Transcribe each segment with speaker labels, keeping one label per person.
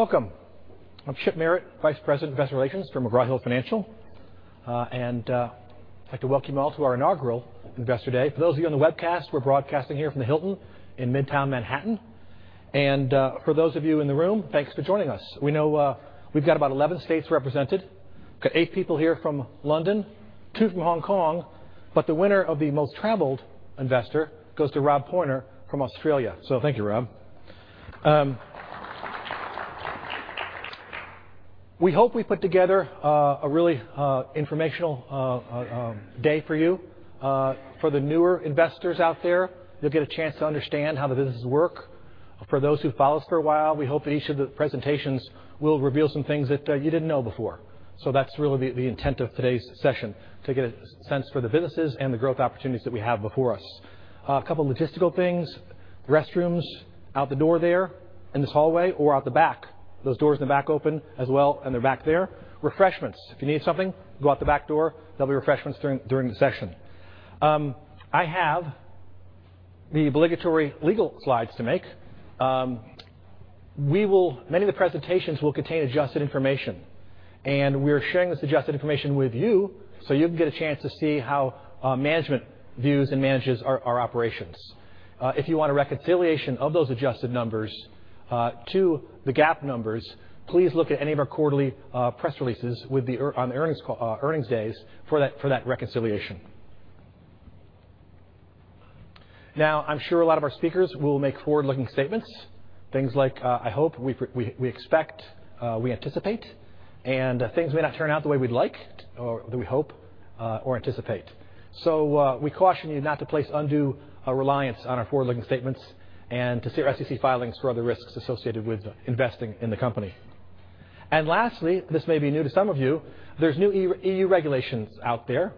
Speaker 1: Welcome. I'm Chip Merritt, Vice President of Investor Relations for McGraw Hill Financial. I would like to welcome you all to our inaugural Investor Day. For those of you on the webcast, we're broadcasting here from the Hilton in Midtown Manhattan. For those of you in the room, thanks for joining us. We know we've got about 11 states represented. Got eight people here from London, two from Hong Kong, but the winner of the most traveled investor goes to Rob Pointer from Australia. Thank you, Rob. We hope we put together a really informational day for you. For the newer investors out there, you'll get a chance to understand how the businesses work. For those who've followed us for a while, we hope that each of the presentations will reveal some things that you didn't know before. That's really the intent of today's session, to get a sense for the businesses and the growth opportunities that we have before us. A couple logistical things. The restrooms, out the door there in this hallway or out the back. Those doors in the back open as well, and they're back there. Refreshments. If you need something, go out the back door. There'll be refreshments during the session. I have the obligatory legal slides to make. Many of the presentations will contain adjusted information, and we're sharing this adjusted information with you so you can get a chance to see how management views and manages our operations. If you want a reconciliation of those adjusted numbers to the GAAP numbers, please look at any of our quarterly press releases on earnings days for that reconciliation. I'm sure a lot of our speakers will make forward-looking statements, things like, I hope, we expect, we anticipate, and things may not turn out the way we'd like or that we hope or anticipate. We caution you not to place undue reliance on our forward-looking statements and to see our SEC filings for other risks associated with investing in the company. Lastly, this may be new to some of you, there's new EU regulations out there.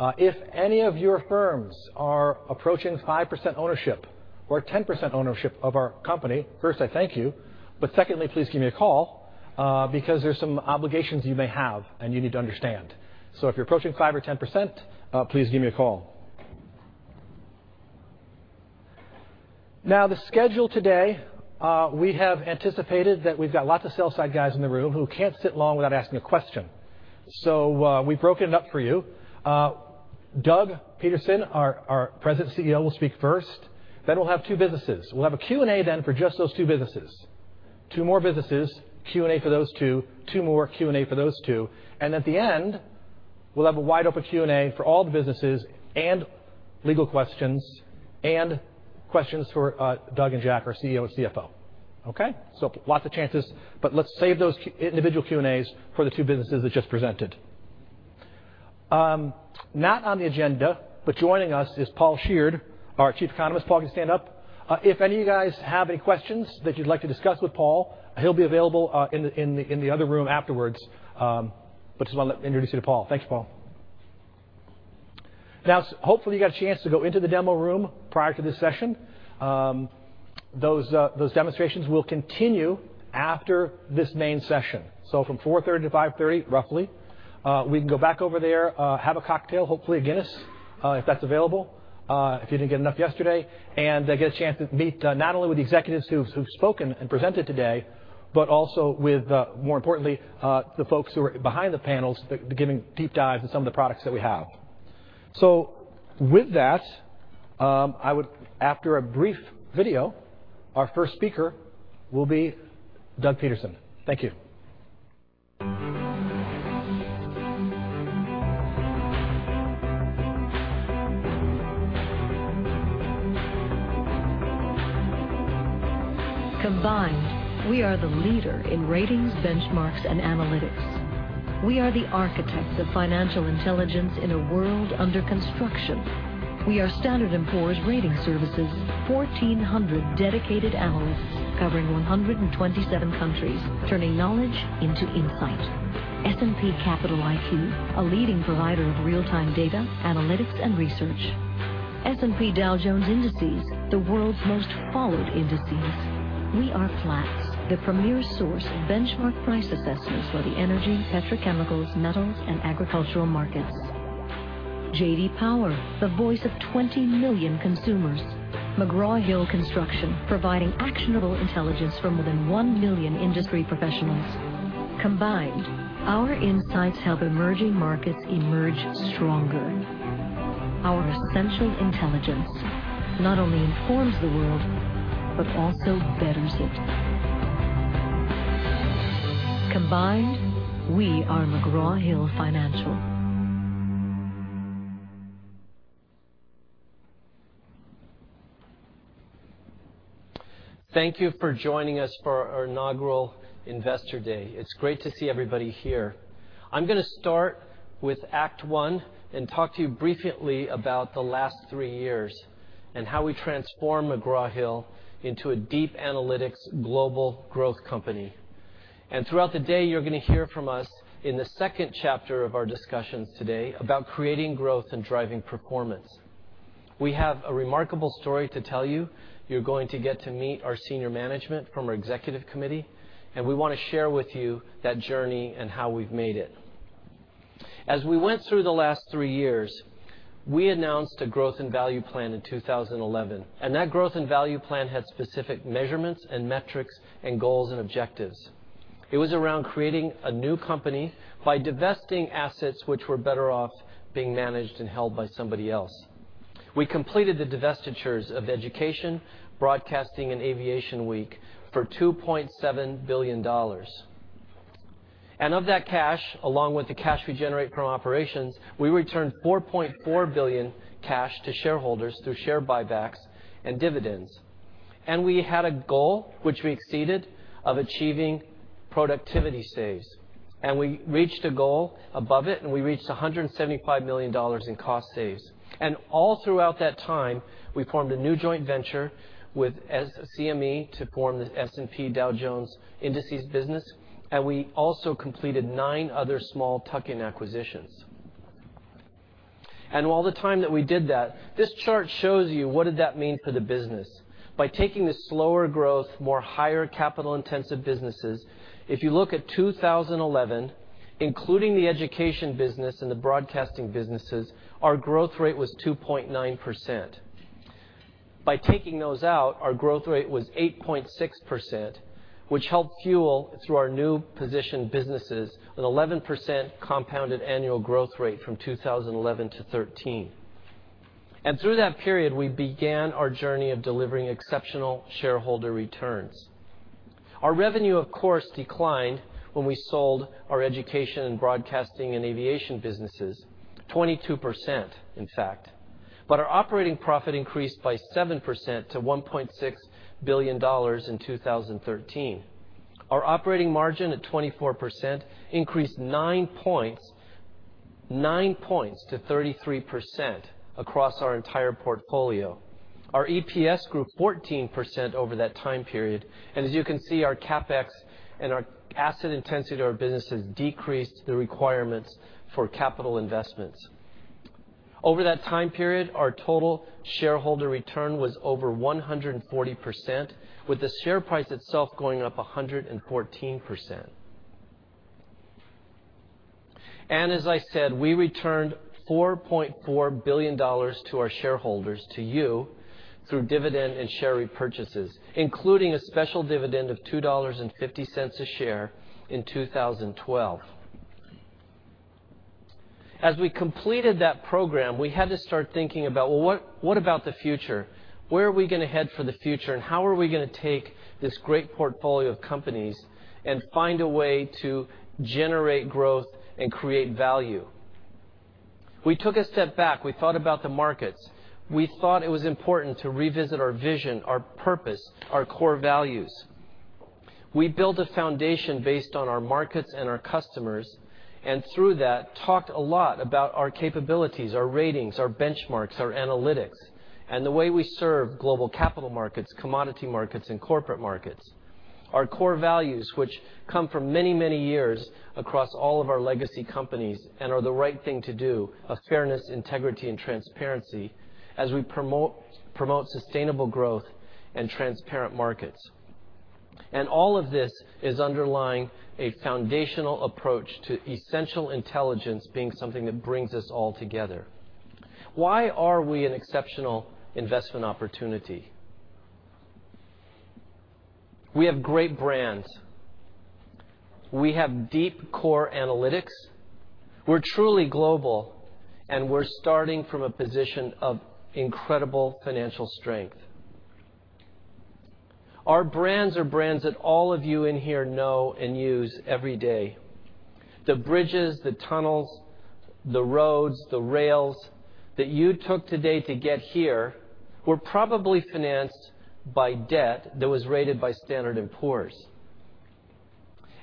Speaker 1: If any of your firms are approaching 5% ownership or 10% ownership of our company, first, I thank you, but secondly, please give me a call, because there's some obligations you may have and you need to understand. If you're approaching 5% or 10%, please give me a call. The schedule today, we have anticipated that we've got lots of sell side guys in the room who can't sit long without asking a question. We've broken it up for you. Doug Peterson, our President CEO, will speak first, then we'll have two businesses. We'll have a Q&A then for just those two businesses. Two more businesses, Q&A for those two. Two more, Q&A for those two. At the end, we'll have a wide-open Q&A for all the businesses and legal questions and questions for Doug and Jack, our CEO and CFO. Okay? Lots of chances, but let's save those individual Q&As for the two businesses that just presented. Not on the agenda, but joining us is Paul Sheard, our Chief Economist. Paul, can you stand up? If any of you guys have any questions that you'd like to discuss with Paul, he'll be available in the other room afterwards. Just want to introduce you to Paul. Thank you, Paul. Hopefully, you got a chance to go into the demo room prior to this session. Those demonstrations will continue after this main session. From 4:30 to 5:30, roughly, we can go back over there, have a cocktail, hopefully a Guinness, if that's available, if you didn't get enough yesterday, and get a chance to meet not only with the executives who've spoken and presented today, but also with, more importantly, the folks who are behind the panels giving deep dives in some of the products that we have. With that, after a brief video, our first speaker will be Doug Peterson. Thank you.
Speaker 2: Combined, we are the leader in ratings, benchmarks, and analytics. We are the architects of financial intelligence in a world under construction. We are Standard & Poor's Ratings Services, 1,400 dedicated analysts covering 127 countries, turning knowledge into insight. S&P Capital IQ, a leading provider of real-time data, analytics, and research. S&P Dow Jones Indices, the world's most followed indices. We are Platts, the premier source of benchmark price assessments for the energy, petrochemicals, metals, and agricultural markets. J.D. Power, the voice of 20 million consumers. McGraw Hill Construction, providing actionable intelligence for more than one million industry professionals. Combined, our insights help emerging markets emerge stronger. Our essential intelligence not only informs the world but also betters it. Combined, we are McGraw Hill Financial.
Speaker 1: Thank you for joining us for our inaugural Investor Day. It's great to see everybody here. I'm going to start with act one and talk to you briefly about the last three years and how we transformed McGraw Hill into a deep analytics global growth company. Throughout the day, you're going to hear from us in the second chapter of our discussions today about creating growth and driving performance. We have a remarkable story to tell you. You're going to get to meet our senior management from our executive committee, and we want to share with you that journey and how we've made it.
Speaker 3: As we went through the last three years, we announced a Growth and Value Plan in 2011, that Growth and Value Plan had specific measurements and metrics and goals and objectives. It was around creating a new company by divesting assets which were better off being managed and held by somebody else. We completed the divestitures of Education, Broadcasting, and Aviation Week for $2.7 billion. Of that cash, along with the cash we generate from operations, we returned $4.4 billion cash to shareholders through share buybacks and dividends. We had a goal, which we exceeded, of achieving productivity saves. We reached a goal above it, and we reached $175 million in cost saves. All throughout that time, we formed a new joint venture with CME to form the S&P Dow Jones Indices business, and we also completed nine other small tuck-in acquisitions. All the time that we did that, this chart shows you what did that mean for the business. By taking the slower growth, higher capital-intensive businesses, if you look at 2011, including the Education business and the Broadcasting businesses, our growth rate was 2.9%. By taking those out, our growth rate was 8.6%, which helped fuel, through our new position businesses, an 11% compounded annual growth rate from 2011 to 2013. Through that period, we began our journey of delivering exceptional shareholder returns. Our revenue, of course, declined when we sold our Education and Broadcasting and Aviation businesses, 22%, in fact. Our operating profit increased by 7% to $1.6 billion in 2013. Our operating margin at 24% increased nine points to 33% across our entire portfolio. Our EPS grew 14% over that time period, and as you can see, our CapEx and our asset intensity to our businesses decreased the requirements for capital investments. Over that time period, our total shareholder return was over 140%, with the share price itself going up 114%. As I said, we returned $4.4 billion to our shareholders, to you, through dividend and share repurchases, including a special dividend of $2.50 a share in 2012. As we completed that program, we had to start thinking about, well, what about the future? Where are we going to head for the future, and how are we going to take this great portfolio of companies and find a way to generate growth and create value? We took a step back. We thought about the markets. We thought it was important to revisit our vision, our purpose, our core values. We built a foundation based on our markets and our customers, and through that, talked a lot about our capabilities, our ratings, our benchmarks, our analytics, and the way we serve global capital markets, commodity markets, and corporate markets. Our core values, which come from many years across all of our legacy companies and are the right thing to do, of fairness, integrity, and transparency, as we promote sustainable growth and transparent markets. All of this is underlying a foundational approach to essential intelligence being something that brings us all together. Why are we an exceptional investment opportunity? We have great brands. We have deep core analytics. We're truly global, and we're starting from a position of incredible financial strength. Our brands are brands that all of you in here know and use every day. The bridges, the tunnels, the roads, the rails that you took today to get here were probably financed by debt that was rated by Standard & Poor's.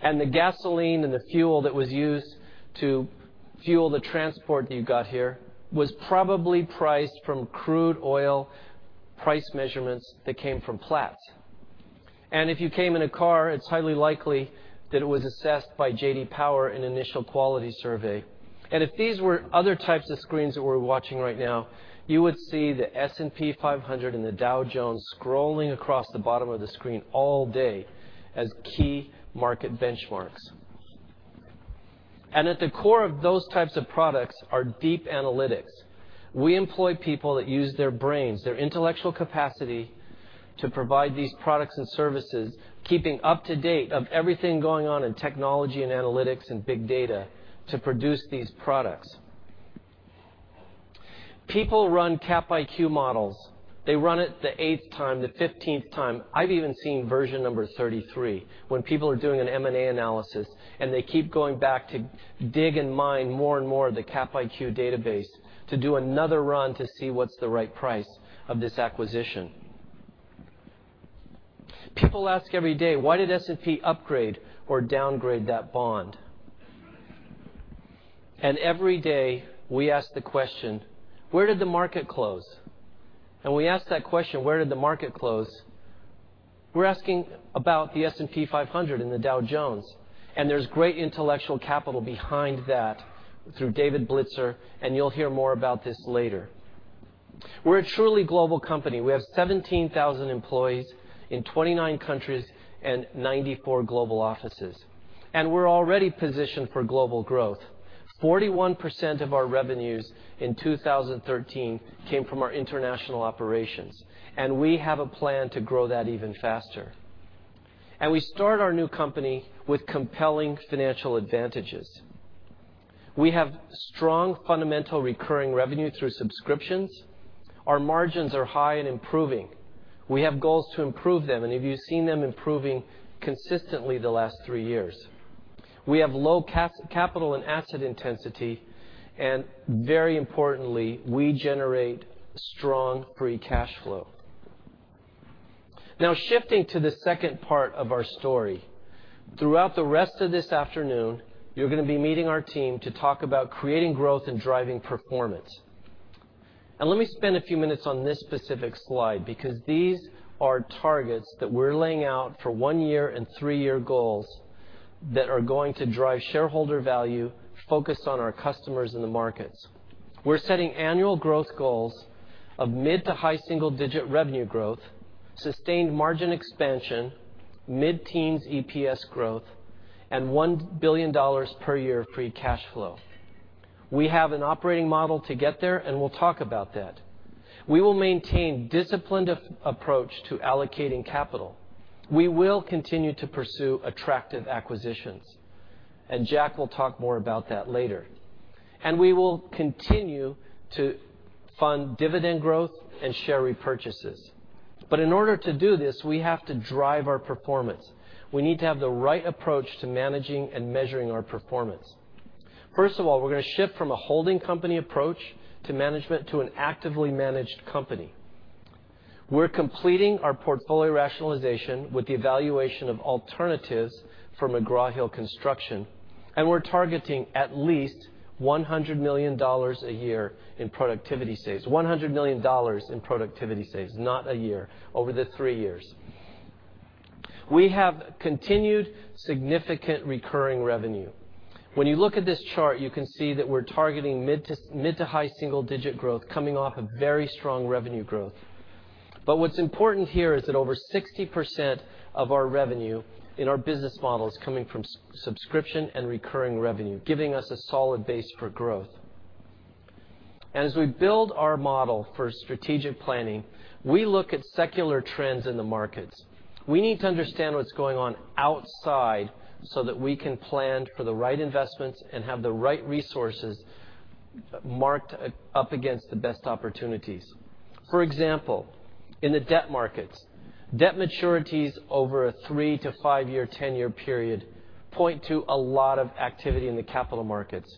Speaker 3: The gasoline and the fuel that was used to fuel the transport that you got here was probably priced from crude oil price measurements that came from Platts. If you came in a car, it's highly likely that it was assessed by J.D. Power in an Initial Quality Study. If these were other types of screens that we're watching right now, you would see the S&P 500 and the Dow Jones scrolling across the bottom of the screen all day as key market benchmarks. At the core of those types of products are deep analytics. We employ people that use their brains, their intellectual capacity to provide these products and services, keeping up to date of everything going on in technology and analytics and big data to produce these products. People run CapIQ models. They run it the eighth time, the 15th time. I've even seen version number 33 when people are doing an M&A analysis, and they keep going back to dig and mine more and more of the CapIQ database to do another run to see what's the right price of this acquisition. People ask every day, why did S&P upgrade or downgrade that bond? Every day, we ask the question, where did the market close? We ask that question, where did the market close, we're asking about the S&P 500 and the Dow Jones, and there's great intellectual capital behind that through David Blitzer, and you'll hear more about this later. We're a truly global company. We have 17,000 employees in 29 countries and 94 global offices, and we're already positioned for global growth. 41% of our revenues in 2013 came from our international operations, and we have a plan to grow that even faster. We start our new company with compelling financial advantages. We have strong fundamental recurring revenue through subscriptions. Our margins are high and improving. We have goals to improve them, and have you seen them improving consistently the last three years. We have low capital and asset intensity, and very importantly, we generate strong free cash flow. Shifting to the second part of our story. Throughout the rest of this afternoon, you're going to be meeting our team to talk about creating growth and driving performance. Let me spend a few minutes on this specific slide, because these are targets that we're laying out for one year and three-year goals that are going to drive shareholder value focused on our customers in the markets. We're setting annual growth goals of mid to high single-digit revenue growth, sustained margin expansion, mid-teens EPS growth, and $1 billion per year of free cash flow. We have an operating model to get there, and we'll talk about that. We will maintain disciplined approach to allocating capital. We will continue to pursue attractive acquisitions, and Jack will talk more about that later. We will continue to fund dividend growth and share repurchases. In order to do this, we have to drive our performance. We need to have the right approach to managing and measuring our performance. First of all, we're going to shift from a holding company approach to management to an actively managed company. We're completing our portfolio rationalization with the evaluation of alternatives for McGraw Hill Construction, and we're targeting at least $100 million a year in productivity saves. $100 million in productivity saves, not a year, over the three years. We have continued significant recurring revenue. When you look at this chart, you can see that we're targeting mid to high single-digit growth coming off a very strong revenue growth. What's important here is that over 60% of our revenue in our business model is coming from subscription and recurring revenue, giving us a solid base for growth. As we build our model for strategic planning, we look at secular trends in the markets. We need to understand what's going on outside so that we can plan for the right investments and have the right resources marked up against the best opportunities. For example, in the debt markets, debt maturities over a three to five year, 10-year period point to a lot of activity in the capital markets.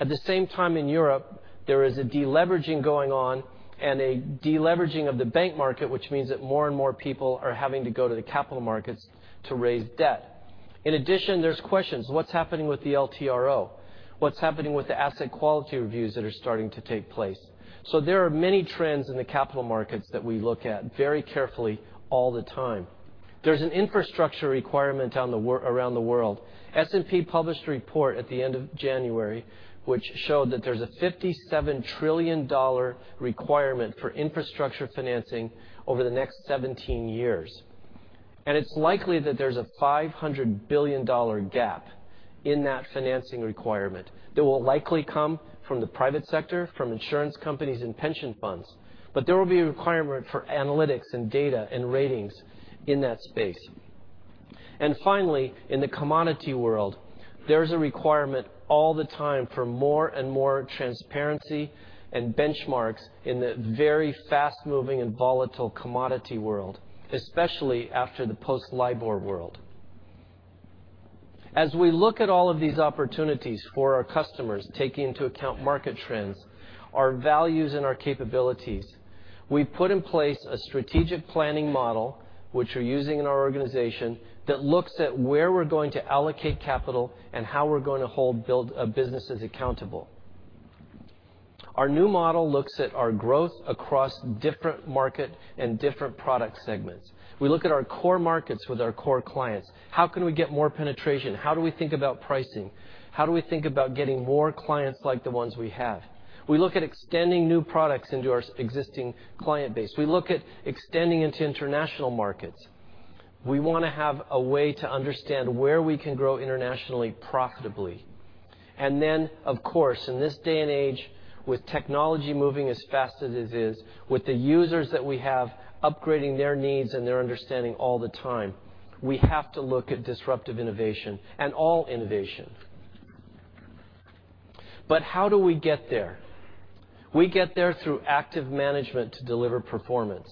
Speaker 3: At the same time in Europe, there is a deleveraging going on and a deleveraging of the bank market, which means that more and more people are having to go to the capital markets to raise debt. In addition, there's questions. What's happening with the LTRO? What's happening with the asset quality reviews that are starting to take place? There are many trends in the capital markets that we look at very carefully all the time. There's an infrastructure requirement around the world. S&P published a report at the end of January, which showed that there's a $57 trillion requirement for infrastructure financing over the next 17 years. It's likely that there's a $500 billion gap in that financing requirement that will likely come from the private sector, from insurance companies and pension funds. There will be a requirement for analytics and data and ratings in that space. Finally, in the commodity world, there's a requirement all the time for more and more transparency and benchmarks in the very fast-moving and volatile commodity world, especially after the post-LIBOR world. As we look at all of these opportunities for our customers, taking into account market trends, our values, and our capabilities, we put in place a strategic planning model, which we're using in our organization that looks at where we're going to allocate capital and how we're going to build businesses accountable. Our new model looks at our growth across different market and different product segments. We look at our core markets with our core clients. How can we get more penetration? How do we think about pricing? How do we think about getting more clients like the ones we have? We look at extending new products into our existing client base. We look at extending into international markets. We want to have a way to understand where we can grow internationally profitably. Of course, in this day and age, with technology moving as fast as it is, with the users that we have upgrading their needs and their understanding all the time, we have to look at disruptive innovation and all innovation. How do we get there? We get there through active management to deliver performance.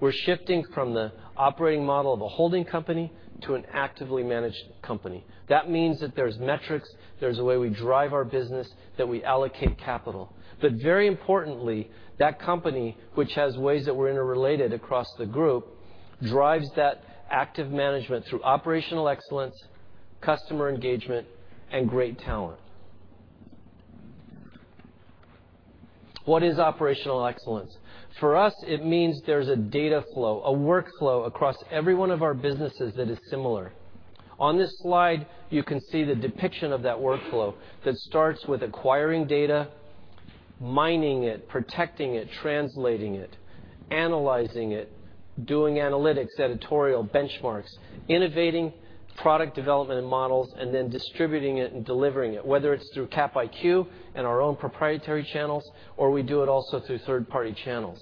Speaker 3: We're shifting from the operating model of a holding company to an actively managed company. That means that there's metrics, there's a way we drive our business, that we allocate capital. Very importantly, that company, which has ways that we're interrelated across the group, drives that active management through operational excellence, customer engagement, and great talent. What is operational excellence? For us, it means there's a data flow, a workflow across every one of our businesses that is similar. On this slide, you can see the depiction of that workflow that starts with acquiring data, mining it, protecting it, translating it, analyzing it, doing analytics, editorial benchmarks, innovating product development and models, then distributing it and delivering it, whether it's through Cap IQ and our own proprietary channels, or we do it also through third-party channels.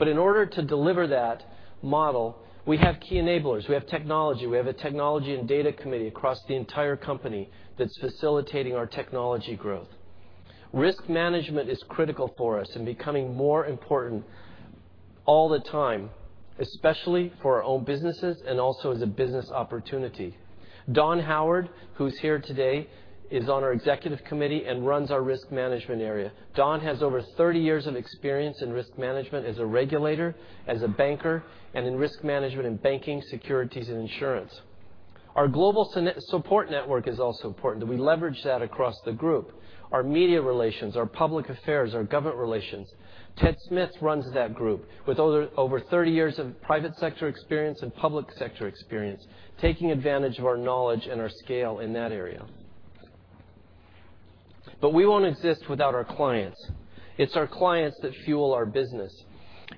Speaker 3: In order to deliver that model, we have key enablers. We have technology. We have a technology and data committee across the entire company that's facilitating our technology growth. Risk management is critical for us and becoming more important all the time, especially for our own businesses and also as a business opportunity. Don Howard, who's here today, is on our executive committee and runs our risk management area. Don has over 30 years of experience in risk management as a regulator, as a banker, and in risk management in banking, securities, and insurance. Our global support network is also important, and we leverage that across the group. Our media relations, our public affairs, our government relations. Ted Smith runs that group with over 30 years of private sector experience and public sector experience, taking advantage of our knowledge and our scale in that area. We won't exist without our clients. It's our clients that fuel our business,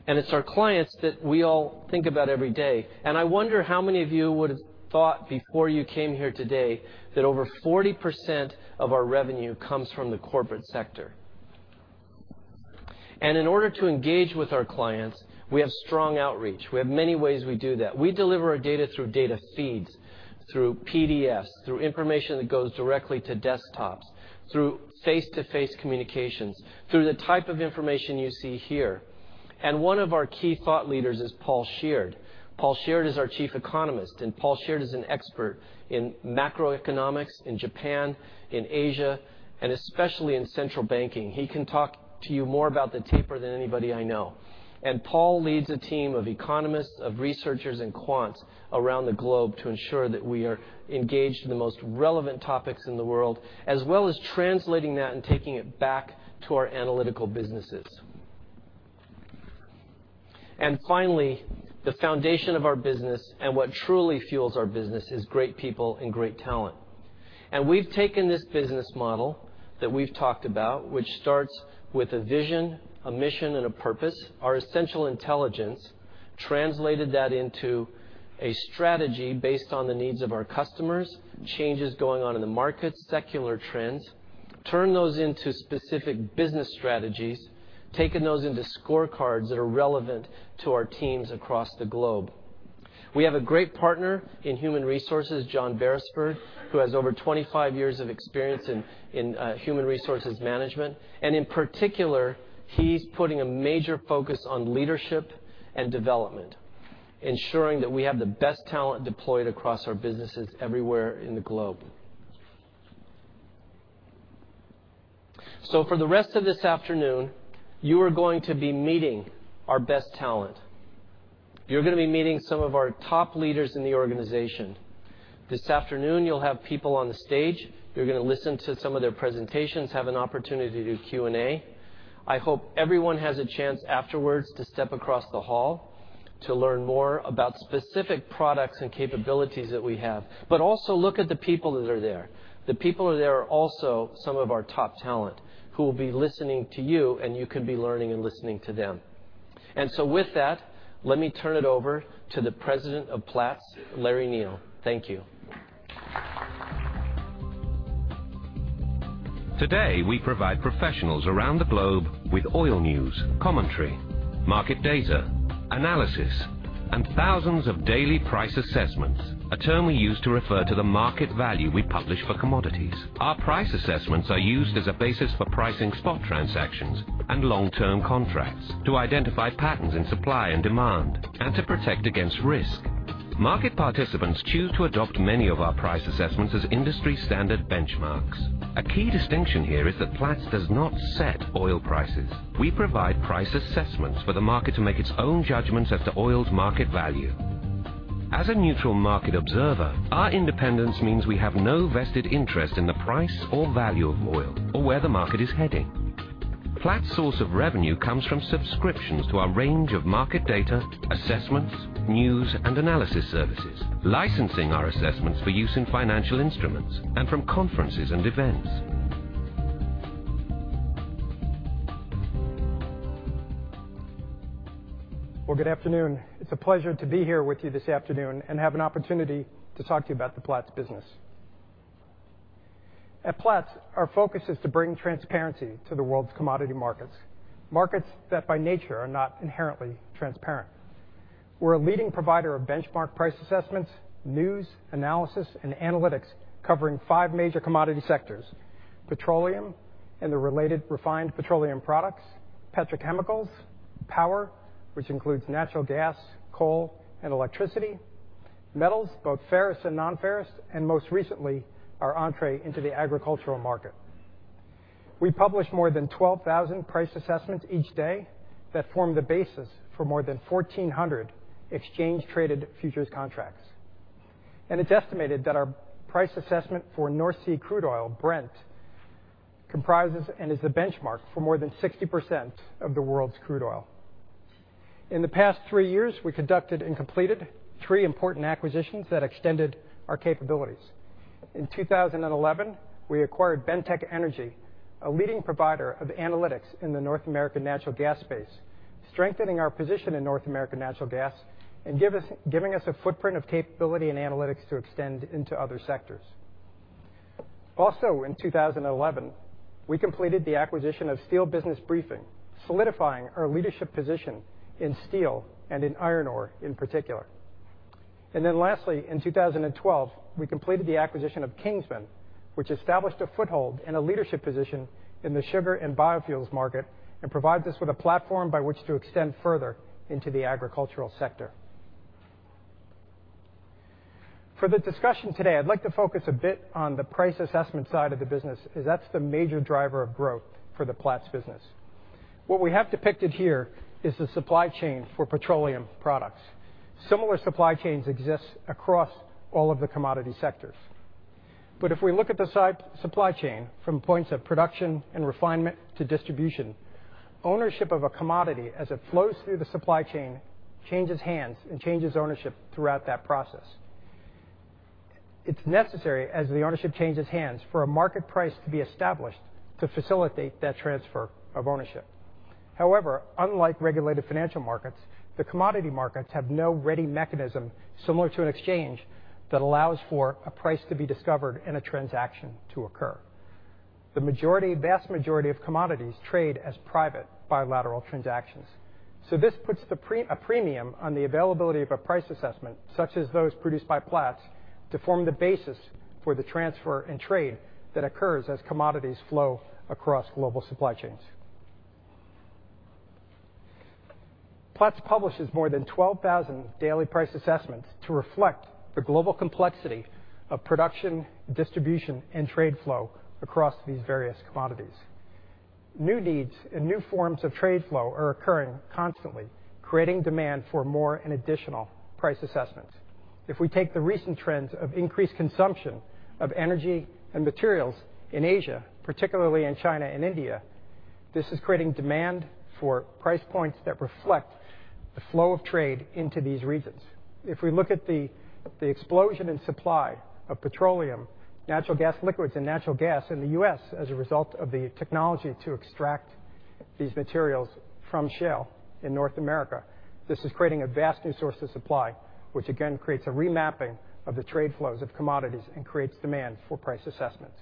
Speaker 3: and it's our clients that we all think about every day. I wonder how many of you would have thought before you came here today that over 40% of our revenue comes from the corporate sector. In order to engage with our clients, we have strong outreach. We have many ways we do that. We deliver our data through data feeds, through PDFs, through information that goes directly to desktops, through face-to-face communications, through the type of information you see here. One of our key thought leaders is Paul Sheard. Paul Sheard is our chief economist, and Paul Sheard is an expert in macroeconomics in Japan, in Asia, and especially in central banking. He can talk to you more about the taper than anybody I know. Paul leads a team of economists, of researchers and quants around the globe to ensure that we are engaged in the most relevant topics in the world, as well as translating that and taking it back to our analytical businesses. Finally, the foundation of our business and what truly fuels our business is great people and great talent. We've taken this business model that we've talked about, which starts with a vision, a mission, and a purpose, our essential intelligence, translated that into a strategy based on the needs of our customers, changes going on in the market, secular trends, turn those into specific business strategies, taken those into scorecards that are relevant to our teams across the globe. We have a great partner in human resources, John Beresford, who has over 25 years of experience in human resources management. In particular, he's putting a major focus on leadership and development, ensuring that we have the best talent deployed across our businesses everywhere in the globe. For the rest of this afternoon, you are going to be meeting our best talent. You're going to be meeting some of our top leaders in the organization. This afternoon, you'll have people on the stage. You're going to listen to some of their presentations, have an opportunity to do Q&A. I hope everyone has a chance afterwards to step across the hall to learn more about specific products and capabilities that we have. Also look at the people that are there. The people who are there are also some of our top talent who will be listening to you, and you could be learning and listening to them. With that, let me turn it over to the President of Platts, Larry Neal. Thank you.
Speaker 2: Today, we provide professionals around the globe with oil news, commentary, market data, analysis, and thousands of daily price assessments, a term we use to refer to the market value we publish for commodities. Our price assessments are used as a basis for pricing spot transactions and long-term contracts to identify patterns in supply and demand and to protect against risk. Market participants choose to adopt many of our price assessments as industry-standard benchmarks. A key distinction here is that Platts does not set oil prices. We provide price assessments for the market to make its own judgments as to oil's market value. As a neutral market observer, our independence means we have no vested interest in the price or value of oil or where the market is heading. Platts' source of revenue comes from subscriptions to our range of market data, assessments, news, and analysis services, licensing our assessments for use in financial instruments and from conferences and events.
Speaker 4: Well, good afternoon. It's a pleasure to be here with you this afternoon and have an opportunity to talk to you about the Platts business. At Platts, our focus is to bring transparency to the world's commodity markets that by nature are not inherently transparent. We're a leading provider of benchmark price assessments, news, analysis, and analytics covering five major commodity sectors: petroleum and the related refined petroleum products, petrochemicals, power, which includes natural gas, coal, and electricity, metals, both ferrous and non-ferrous, and most recently, our entrée into the agricultural market. We publish more than 12,000 price assessments each day that form the basis for more than 1,400 exchange-traded futures contracts. It's estimated that our price assessment for North Sea crude oil, Brent, comprises and is the benchmark for more than 60% of the world's crude oil. In the past three years, we conducted and completed three important acquisitions that extended our capabilities. In 2011, we acquired Bentek Energy, a leading provider of analytics in the North American natural gas space, strengthening our position in North American natural gas, and giving us a footprint of capability and analytics to extend into other sectors. In 2011, we completed the acquisition of Steel Business Briefing, solidifying our leadership position in steel and in iron ore in particular. Lastly, in 2012, we completed the acquisition of Kingsman, which established a foothold and a leadership position in the sugar and biofuels market, and provides us with a platform by which to extend further into the agricultural sector. For the discussion today, I'd like to focus a bit on the price assessment side of the business, as that's the major driver of growth for the Platts business. What we have depicted here is the supply chain for petroleum products. Similar supply chains exist across all of the commodity sectors. If we look at the supply chain from points of production and refinement to distribution, ownership of a commodity as it flows through the supply chain changes hands and changes ownership throughout that process. It's necessary, as the ownership changes hands, for a market price to be established to facilitate that transfer of ownership. However, unlike regulated financial markets, the commodity markets have no ready mechanism similar to an exchange that allows for a price to be discovered and a transaction to occur. The vast majority of commodities trade as private bilateral transactions. This puts a premium on the availability of a price assessment, such as those produced by Platts, to form the basis for the transfer and trade that occurs as commodities flow across global supply chains. Platts publishes more than 12,000 daily price assessments to reflect the global complexity of production, distribution, and trade flow across these various commodities. New needs and new forms of trade flow are occurring constantly, creating demand for more and additional price assessments. If we take the recent trends of increased consumption of energy and materials in Asia, particularly in China and India, this is creating demand for price points that reflect the flow of trade into these regions. If we look at the explosion in supply of petroleum, natural gas liquids, and natural gas in the U.S. as a result of the technology to extract these materials from shale in North America, this is creating a vast new source of supply, which again creates a remapping of the trade flows of commodities and creates demand for price assessments.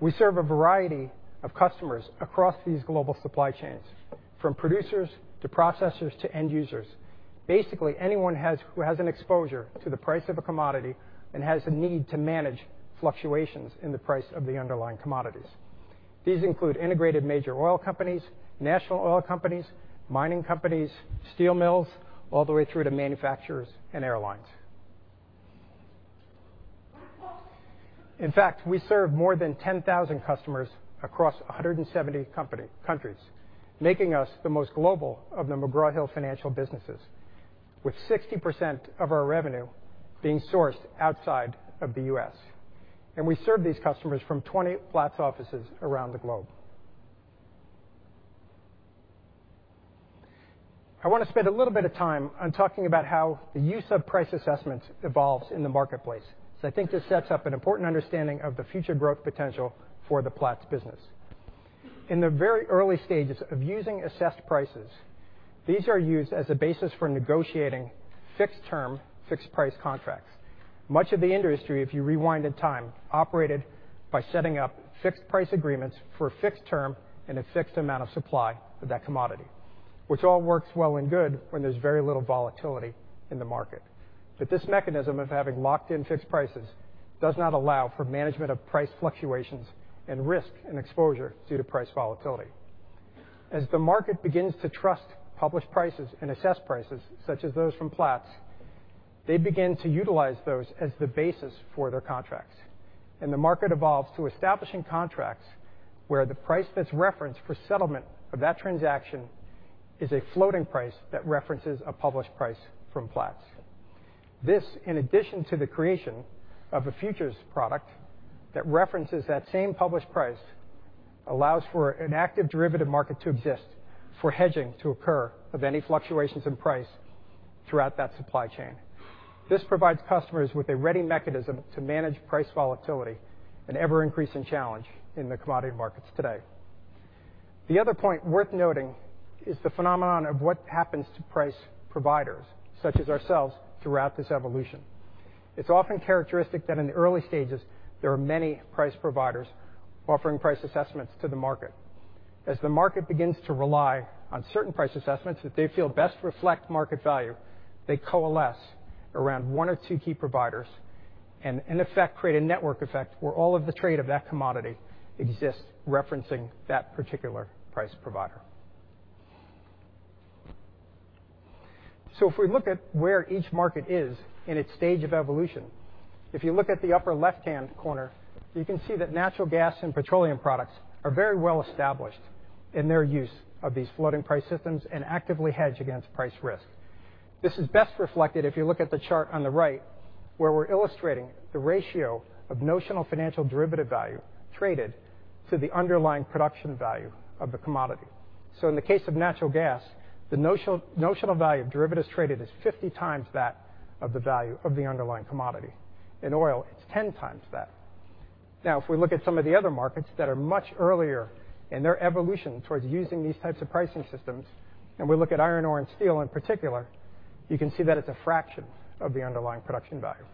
Speaker 4: We serve a variety of customers across these global supply chains, from producers to processors to end users. Basically, anyone who has an exposure to the price of a commodity and has a need to manage fluctuations in the price of the underlying commodities. These include integrated major oil companies, national oil companies, mining companies, steel mills, all the way through to manufacturers and airlines. In fact, we serve more than 10,000 customers across 170 countries, making us the most global of the McGraw Hill Financial businesses, with 60% of our revenue being sourced outside of the U.S. We serve these customers from 20 Platts offices around the globe. I want to spend a little bit of time on talking about how the use of price assessments evolves in the marketplace. I think this sets up an important understanding of the future growth potential for the Platts business. In the very early stages of using assessed prices, these are used as a basis for negotiating fixed term, fixed price contracts. Much of the industry, if you rewind in time, operated by setting up fixed price agreements for a fixed term and a fixed amount of supply of that commodity, which all works well and good when there's very little volatility in the market. This mechanism of having locked-in fixed prices does not allow for management of price fluctuations and risk and exposure due to price volatility. As the market begins to trust published prices and assessed prices such as those from Platts, they begin to utilize those as the basis for their contracts. The market evolves to establishing contracts where the price that's referenced for settlement of that transaction is a floating price that references a published price from Platts. This, in addition to the creation of a futures product that references that same published price, allows for an active derivative market to exist for hedging to occur of any fluctuations in price throughout that supply chain. This provides customers with a ready mechanism to manage price volatility, an ever-increasing challenge in the commodity markets today. The other point worth noting is the phenomenon of what happens to price providers, such as ourselves, throughout this evolution. It's often characteristic that in the early stages, there are many price providers offering price assessments to the market. As the market begins to rely on certain price assessments that they feel best reflect market value, they coalesce around one or two key providers and in effect create a network effect where all of the trade of that commodity exists referencing that particular price provider. If we look at where each market is in its stage of evolution, if you look at the upper left-hand corner, you can see that natural gas and petroleum products are very well established in their use of these floating price systems and actively hedge against price risk. This is best reflected if you look at the chart on the right, where we're illustrating the ratio of notional financial derivative value traded to the underlying production value of the commodity. In the case of natural gas, the notional value of derivatives traded is 50 times that of the value of the underlying commodity. In oil, it's 10 times that. If we look at some of the other markets that are much earlier in their evolution towards using these types of pricing systems, and we look at iron ore and steel in particular, you can see that it's a fraction of the underlying production value.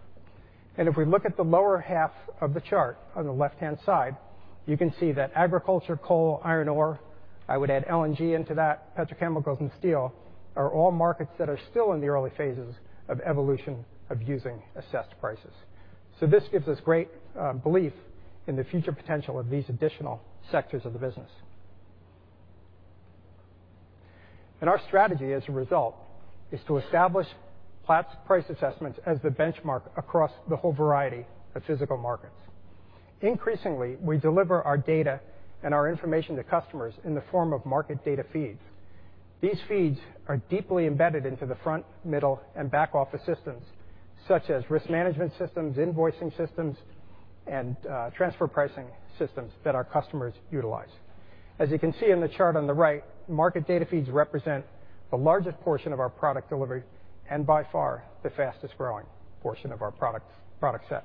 Speaker 4: If we look at the lower half of the chart on the left-hand side, you can see that agriculture, coal, iron ore, I would add LNG into that, petrochemicals, and steel are all markets that are still in the early phases of evolution of using assessed prices. This gives us great belief in the future potential of these additional sectors of the business. Our strategy, as a result, is to establish Platts price assessments as the benchmark across the whole variety of physical markets. Increasingly, we deliver our data and our information to customers in the form of market data feeds. These feeds are deeply embedded into the front, middle, and back-office systems, such as risk management systems, invoicing systems, and transfer pricing systems that our customers utilize. As you can see in the chart on the right, market data feeds represent the largest portion of our product delivery and by far the fastest-growing portion of our product set.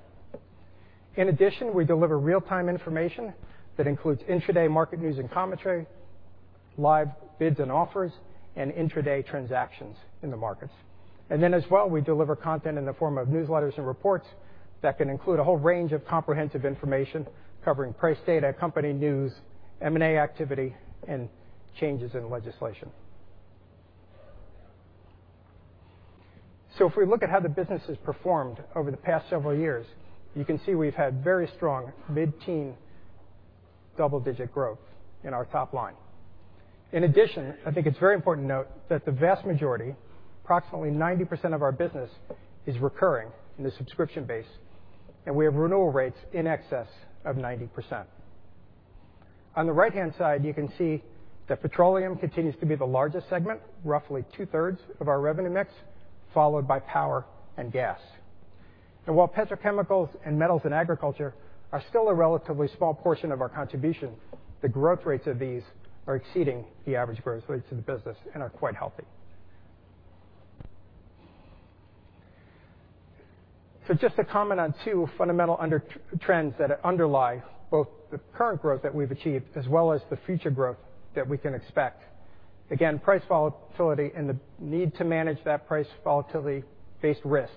Speaker 4: In addition, we deliver real-time information that includes intraday market news and commentary, live bids and offers, and intraday transactions in the markets. Then as well, we deliver content in the form of newsletters and reports that can include a whole range of comprehensive information covering price data, company news, M&A activity, and changes in legislation. If we look at how the business has performed over the past several years, you can see we've had very strong mid-teen double-digit growth in our top line. In addition, I think it's very important to note that the vast majority, approximately 90% of our business, is recurring in the subscription base, and we have renewal rates in excess of 90%. On the right-hand side, you can see that petroleum continues to be the largest segment, roughly two-thirds of our revenue mix, followed by power and gas. While petrochemicals and metals and agriculture are still a relatively small portion of our contribution, the growth rates of these are exceeding the average growth rates of the business and are quite healthy. Just to comment on two fundamental trends that underlie both the current growth that we've achieved as well as the future growth that we can expect. Again, price volatility and the need to manage that price volatility-based risk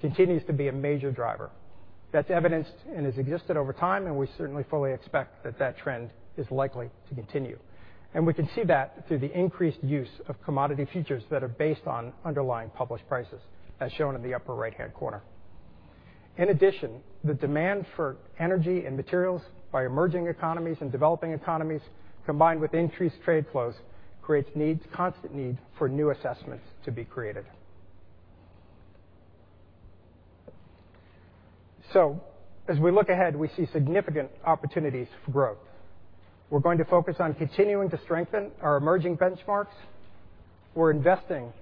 Speaker 4: continues to be a major driver. That's evidenced and has existed over time, and we certainly fully expect that that trend is likely to continue. We can see that through the increased use of commodity features that are based on underlying published prices, as shown in the upper right-hand corner. In addition, the demand for energy and materials by emerging economies and developing economies, combined with increased trade flows, creates constant need for new assessments to be created. As we look ahead, we see significant opportunities for growth. We're going to focus on continuing to strengthen our emerging benchmarks. We're investing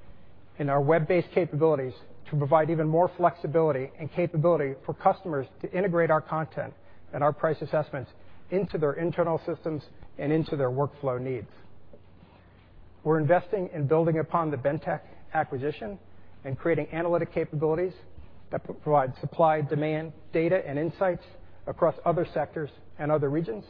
Speaker 4: in our web-based capabilities to provide even more flexibility and capability for customers to integrate our content and our price assessments into their internal systems and into their workflow needs. We're investing in building upon the Bentek acquisition and creating analytic capabilities that provide supply, demand data, and insights across other sectors and other regions.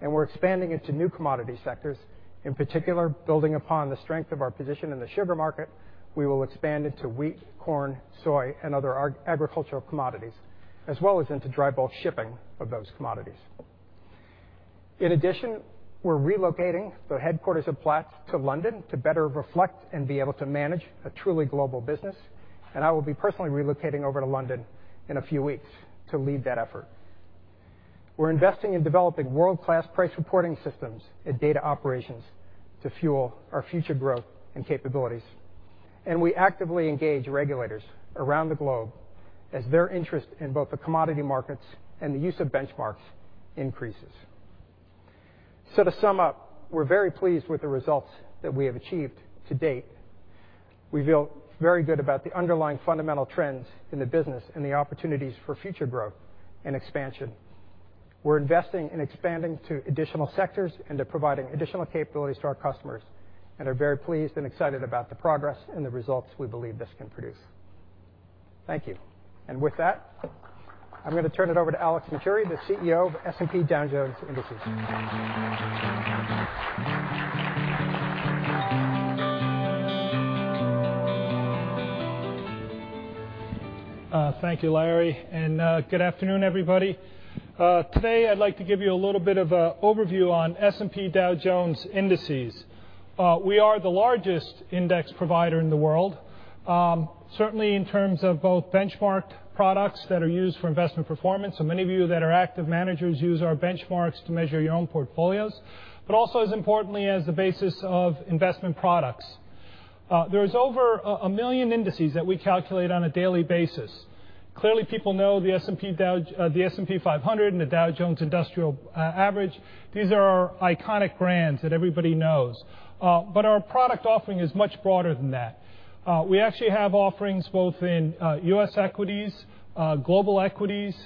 Speaker 4: We're expanding into new commodity sectors. In particular, building upon the strength of our position in the sugar market, we will expand into wheat, corn, soy, and other agricultural commodities, as well as into dry bulk shipping of those commodities. In addition, we're relocating the headquarters of Platts to London to better reflect and be able to manage a truly global business. I will be personally relocating over to London in a few weeks to lead that effort. We're investing in developing world-class price reporting systems and data operations to fuel our future growth and capabilities. We actively engage regulators around the globe as their interest in both the commodity markets and the use of benchmarks increases. To sum up, we're very pleased with the results that we have achieved to date. We feel very good about the underlying fundamental trends in the business and the opportunities for future growth and expansion. We're investing in expanding to additional sectors and to providing additional capabilities to our customers and are very pleased and excited about the progress and the results we believe this can produce. Thank you. With that, I'm going to turn it over to Alex Matturri, the CEO of S&P Dow Jones Indices.
Speaker 5: Thank you, Larry. Good afternoon, everybody. Today, I'd like to give you a little bit of a overview on S&P Dow Jones Indices. We are the largest index provider in the world, certainly in terms of both benchmarked products that are used for investment performance, so many of you that are active managers use our benchmarks to measure your own portfolios, but also as importantly as the basis of investment products. There is over 1 million indices that we calculate on a daily basis. Clearly, people know the S&P 500 and the Dow Jones Industrial Average. These are our iconic brands that everybody knows. Our product offering is much broader than that. We actually have offerings both in U.S. equities, global equities,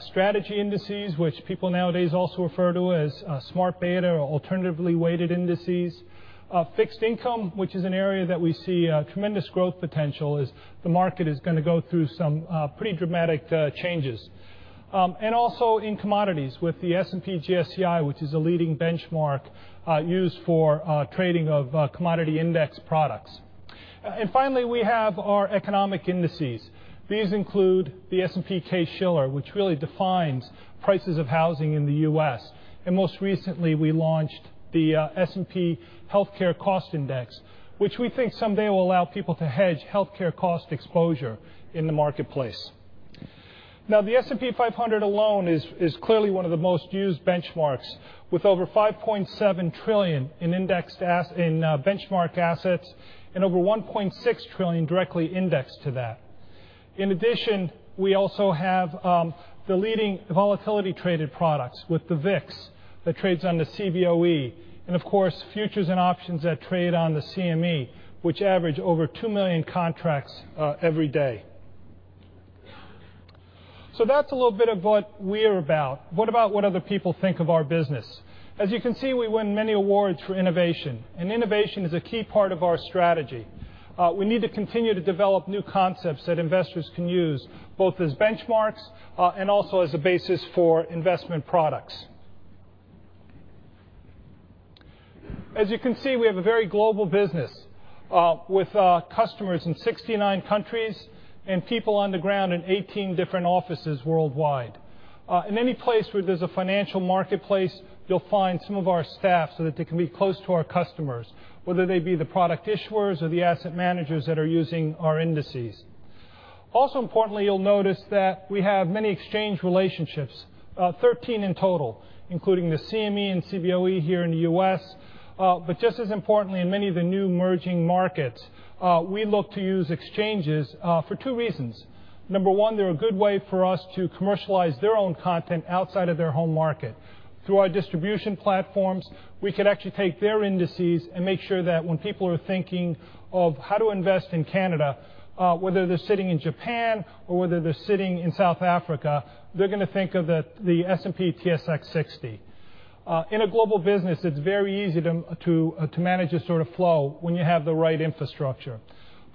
Speaker 5: strategy indices, which people nowadays also refer to as smart beta or alternatively weighted indices. Fixed income, which is an area that we see tremendous growth potential as the market is going to go through some pretty dramatic changes. Also in commodities with the S&P GSCI, which is a leading benchmark used for trading of commodity index products. Finally, we have our economic indices. These include the S&P Case-Shiller, which really defines prices of housing in the U.S. Most recently, we launched the S&P Healthcare Cost Index, which we think someday will allow people to hedge healthcare cost exposure in the marketplace. The S&P 500 alone is clearly one of the most used benchmarks, with over $5.7 trillion in benchmark assets and over $1.6 trillion directly indexed to that. We also have the leading volatility-traded products with the VIX that trades on the CBOE. Of course, futures and options that trade on the CME, which average over 2 million contracts every day. That's a little bit of what we're about. What about what other people think of our business? As you can see, we win many awards for innovation is a key part of our strategy. We need to continue to develop new concepts that investors can use, both as benchmarks and also as a basis for investment products. As you can see, we have a very global business with customers in 69 countries and people on the ground in 18 different offices worldwide. In any place where there's a financial marketplace, you'll find some of our staff so that they can be close to our customers, whether they be the product issuers or the asset managers that are using our indices. Also importantly, you'll notice that we have many exchange relationships, 13 in total, including the CME and CBOE here in the U.S., just as importantly, in many of the new emerging markets. We look to use exchanges for two reasons. Number one, they're a good way for us to commercialize their own content outside of their home market. Through our distribution platforms, we could actually take their indices and make sure that when people are thinking of how to invest in Canada, whether they're sitting in Japan or whether they're sitting in South Africa, they're going to think of the S&P/TSX 60. In a global business, it's very easy to manage a sort of flow when you have the right infrastructure.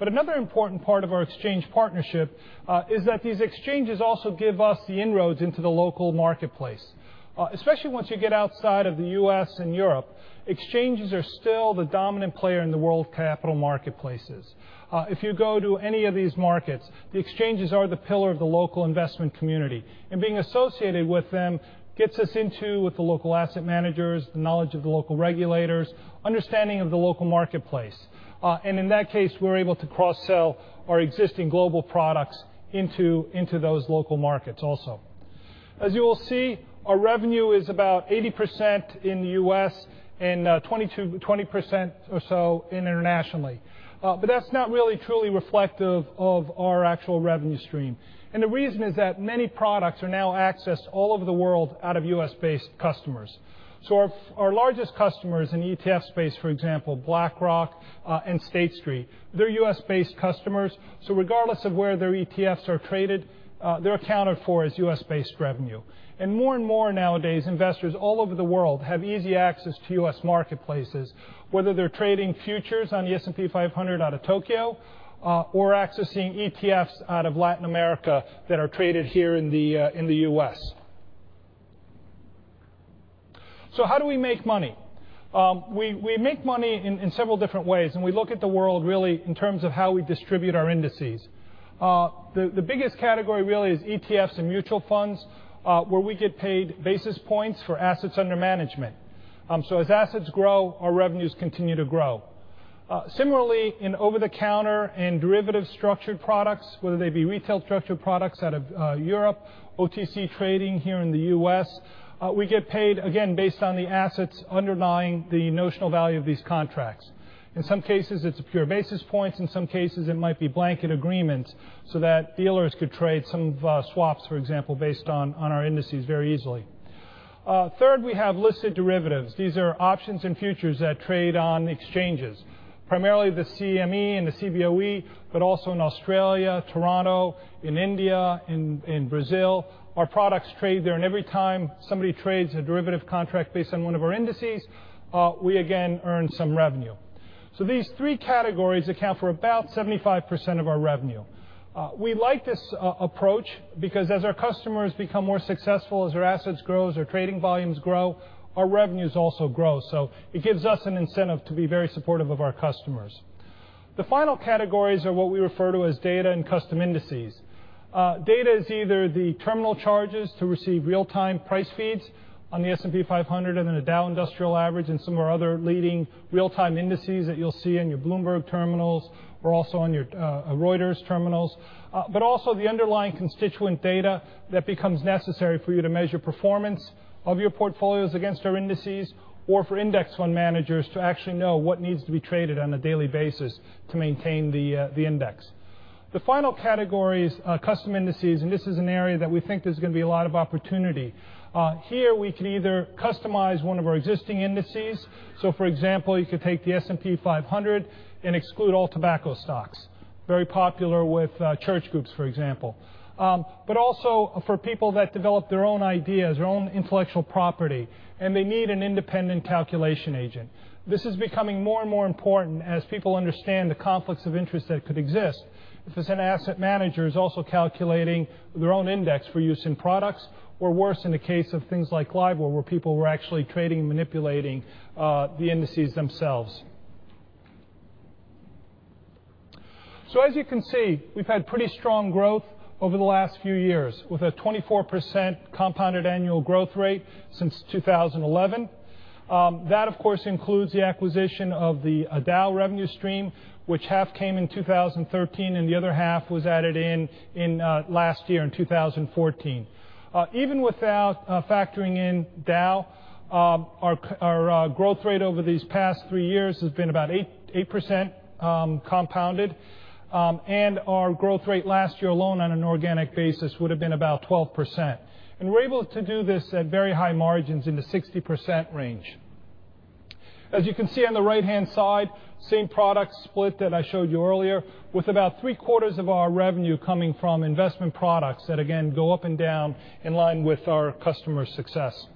Speaker 5: Another important part of our exchange partnership is that these exchanges also give us the inroads into the local marketplace. Especially once you get outside of the U.S. and Europe, exchanges are still the dominant player in the world capital marketplaces. If you go to any of these markets, the exchanges are the pillar of the local investment community, and being associated with them gets us into with the local asset managers, the knowledge of the local regulators, understanding of the local marketplace. In that case, we're able to cross-sell our existing global products into those local markets also. As you will see, our revenue is about 80% in the U.S. and 20% or so internationally. That's not really truly reflective of our actual revenue stream. The reason is that many products are now accessed all over the world out of U.S.-based customers. Our largest customers in the ETF space, for example, BlackRock and State Street. They're U.S.-based customers, regardless of where their ETFs are traded, they're accounted for as U.S.-based revenue. More and more nowadays, investors all over the world have easy access to U.S. marketplaces, whether they're trading futures on the S&P 500 out of Tokyo or accessing ETFs out of Latin America that are traded here in the U.S. How do we make money? We make money in several different ways, we look at the world really in terms of how we distribute our indices. The biggest category really is ETFs and mutual funds, where we get paid basis points for assets under management. As assets grow, our revenues continue to grow. Similarly, in over-the-counter and derivative structured products, whether they be retail structured products out of Europe, OTC trading here in the U.S., we get paid, again, based on the assets underlying the notional value of these contracts. In some cases, it's pure basis points, in some cases, it might be blanket agreements so that dealers could trade some swaps, for example, based on our indices very easily. Third, we have listed derivatives. These are options and futures that trade on exchanges. Primarily the CME and the CBOE, but also in Australia, Toronto, in India, in Brazil. Our products trade there, and every time somebody trades a derivative contract based on one of our indices, we again earn some revenue. These three categories account for about 75% of our revenue. We like this approach because as our customers become more successful, as their assets grow, as their trading volumes grow, our revenues also grow. It gives us an incentive to be very supportive of our customers. The final categories are what we refer to as data and custom indices. Data is either the terminal charges to receive real-time price feeds on the S&P 500 and the Dow Jones Industrial Average and some of our other leading real-time indices that you'll see in your Bloomberg terminals or also on your Reuters terminals. But also the underlying constituent data that becomes necessary for you to measure performance of your portfolios against our indices, or for index fund managers to actually know what needs to be traded on a daily basis to maintain the index. The final category is custom indices, and this is an area that we think there's going to be a lot of opportunity. Here, we can either customize one of our existing indices. So for example, you could take the S&P 500 and exclude all tobacco stocks. Very popular with church groups, for example. But also for people that develop their own ideas, their own intellectual property, and they need an independent calculation agent. This is becoming more and more important as people understand the conflicts of interest that could exist if an asset manager is also calculating their own index for use in products or worse, in the case of things like LIBOR, where people were actually trading and manipulating the indices themselves. As you can see, we've had pretty strong growth over the last few years with a 24% compounded annual growth rate since 2011. That, of course, includes the acquisition of the Dow revenue stream, which half came in 2013 and the other half was added in last year in 2014. Even without factoring in Dow, our growth rate over these past three years has been about 8% compounded. And our growth rate last year alone on an organic basis would have been about 12%. And we're able to do this at very high margins in the 60% range. As you can see on the right-hand side, same product split that I showed you earlier with about three-quarters of our revenue coming from investment products that again, go up and down in line with our customer success.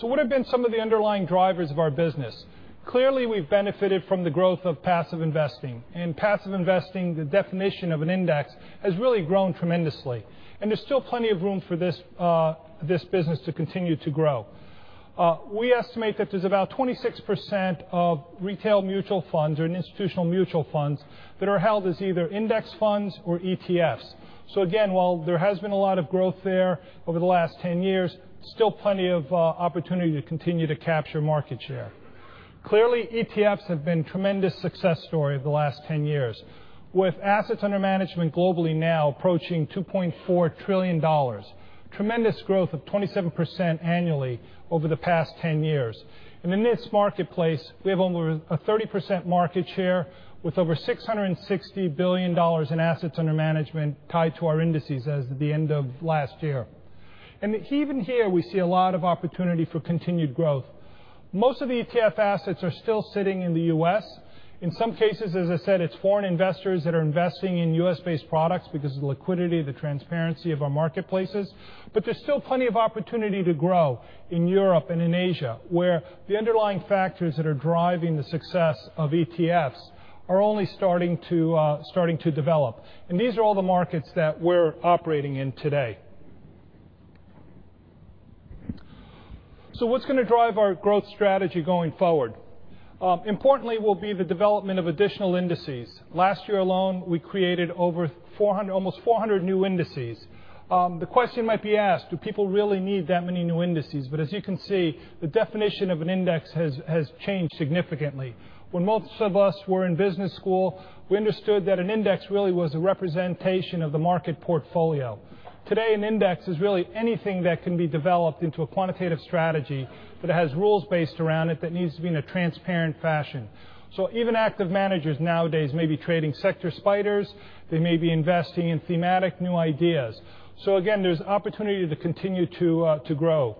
Speaker 5: So what have been some of the underlying drivers of our business? Clearly, we've benefited from the growth of passive investing. In passive investing, the definition of an index has really grown tremendously, There's still plenty of room for this business to continue to grow. We estimate that there's about 26% of retail mutual funds or institutional mutual funds that are held as either index funds or ETFs. Again, while there has been a lot of growth there over the last 10 years, still plenty of opportunity to continue to capture market share. Clearly, ETFs have been a tremendous success story over the last 10 years with assets under management globally now approaching $2.4 trillion. Tremendous growth of 27% annually over the past 10 years. In this marketplace, we have over a 30% market share with over $660 billion in assets under management tied to our indices as of the end of last year. Even here, we see a lot of opportunity for continued growth. Most of the ETF assets are still sitting in the U.S. In some cases, as I said, it's foreign investors that are investing in U.S.-based products because of the liquidity, the transparency of our marketplaces. There's still plenty of opportunity to grow in Europe and in Asia, where the underlying factors that are driving the success of ETFs are only starting to develop. These are all the markets that we're operating in today. What's going to drive our growth strategy going forward? Importantly will be the development of additional indices. Last year alone, we created almost 400 new indices. The question might be asked, do people really need that many new indices? As you can see, the definition of an index has changed significantly. When most of us were in business school, we understood that an index really was a representation of the market portfolio. Today, an index is really anything that can be developed into a quantitative strategy that has rules based around it that needs to be in a transparent fashion. Even active managers nowadays may be trading Sector SPDRs. They may be investing in thematic new ideas. Again, there's opportunity to continue to grow.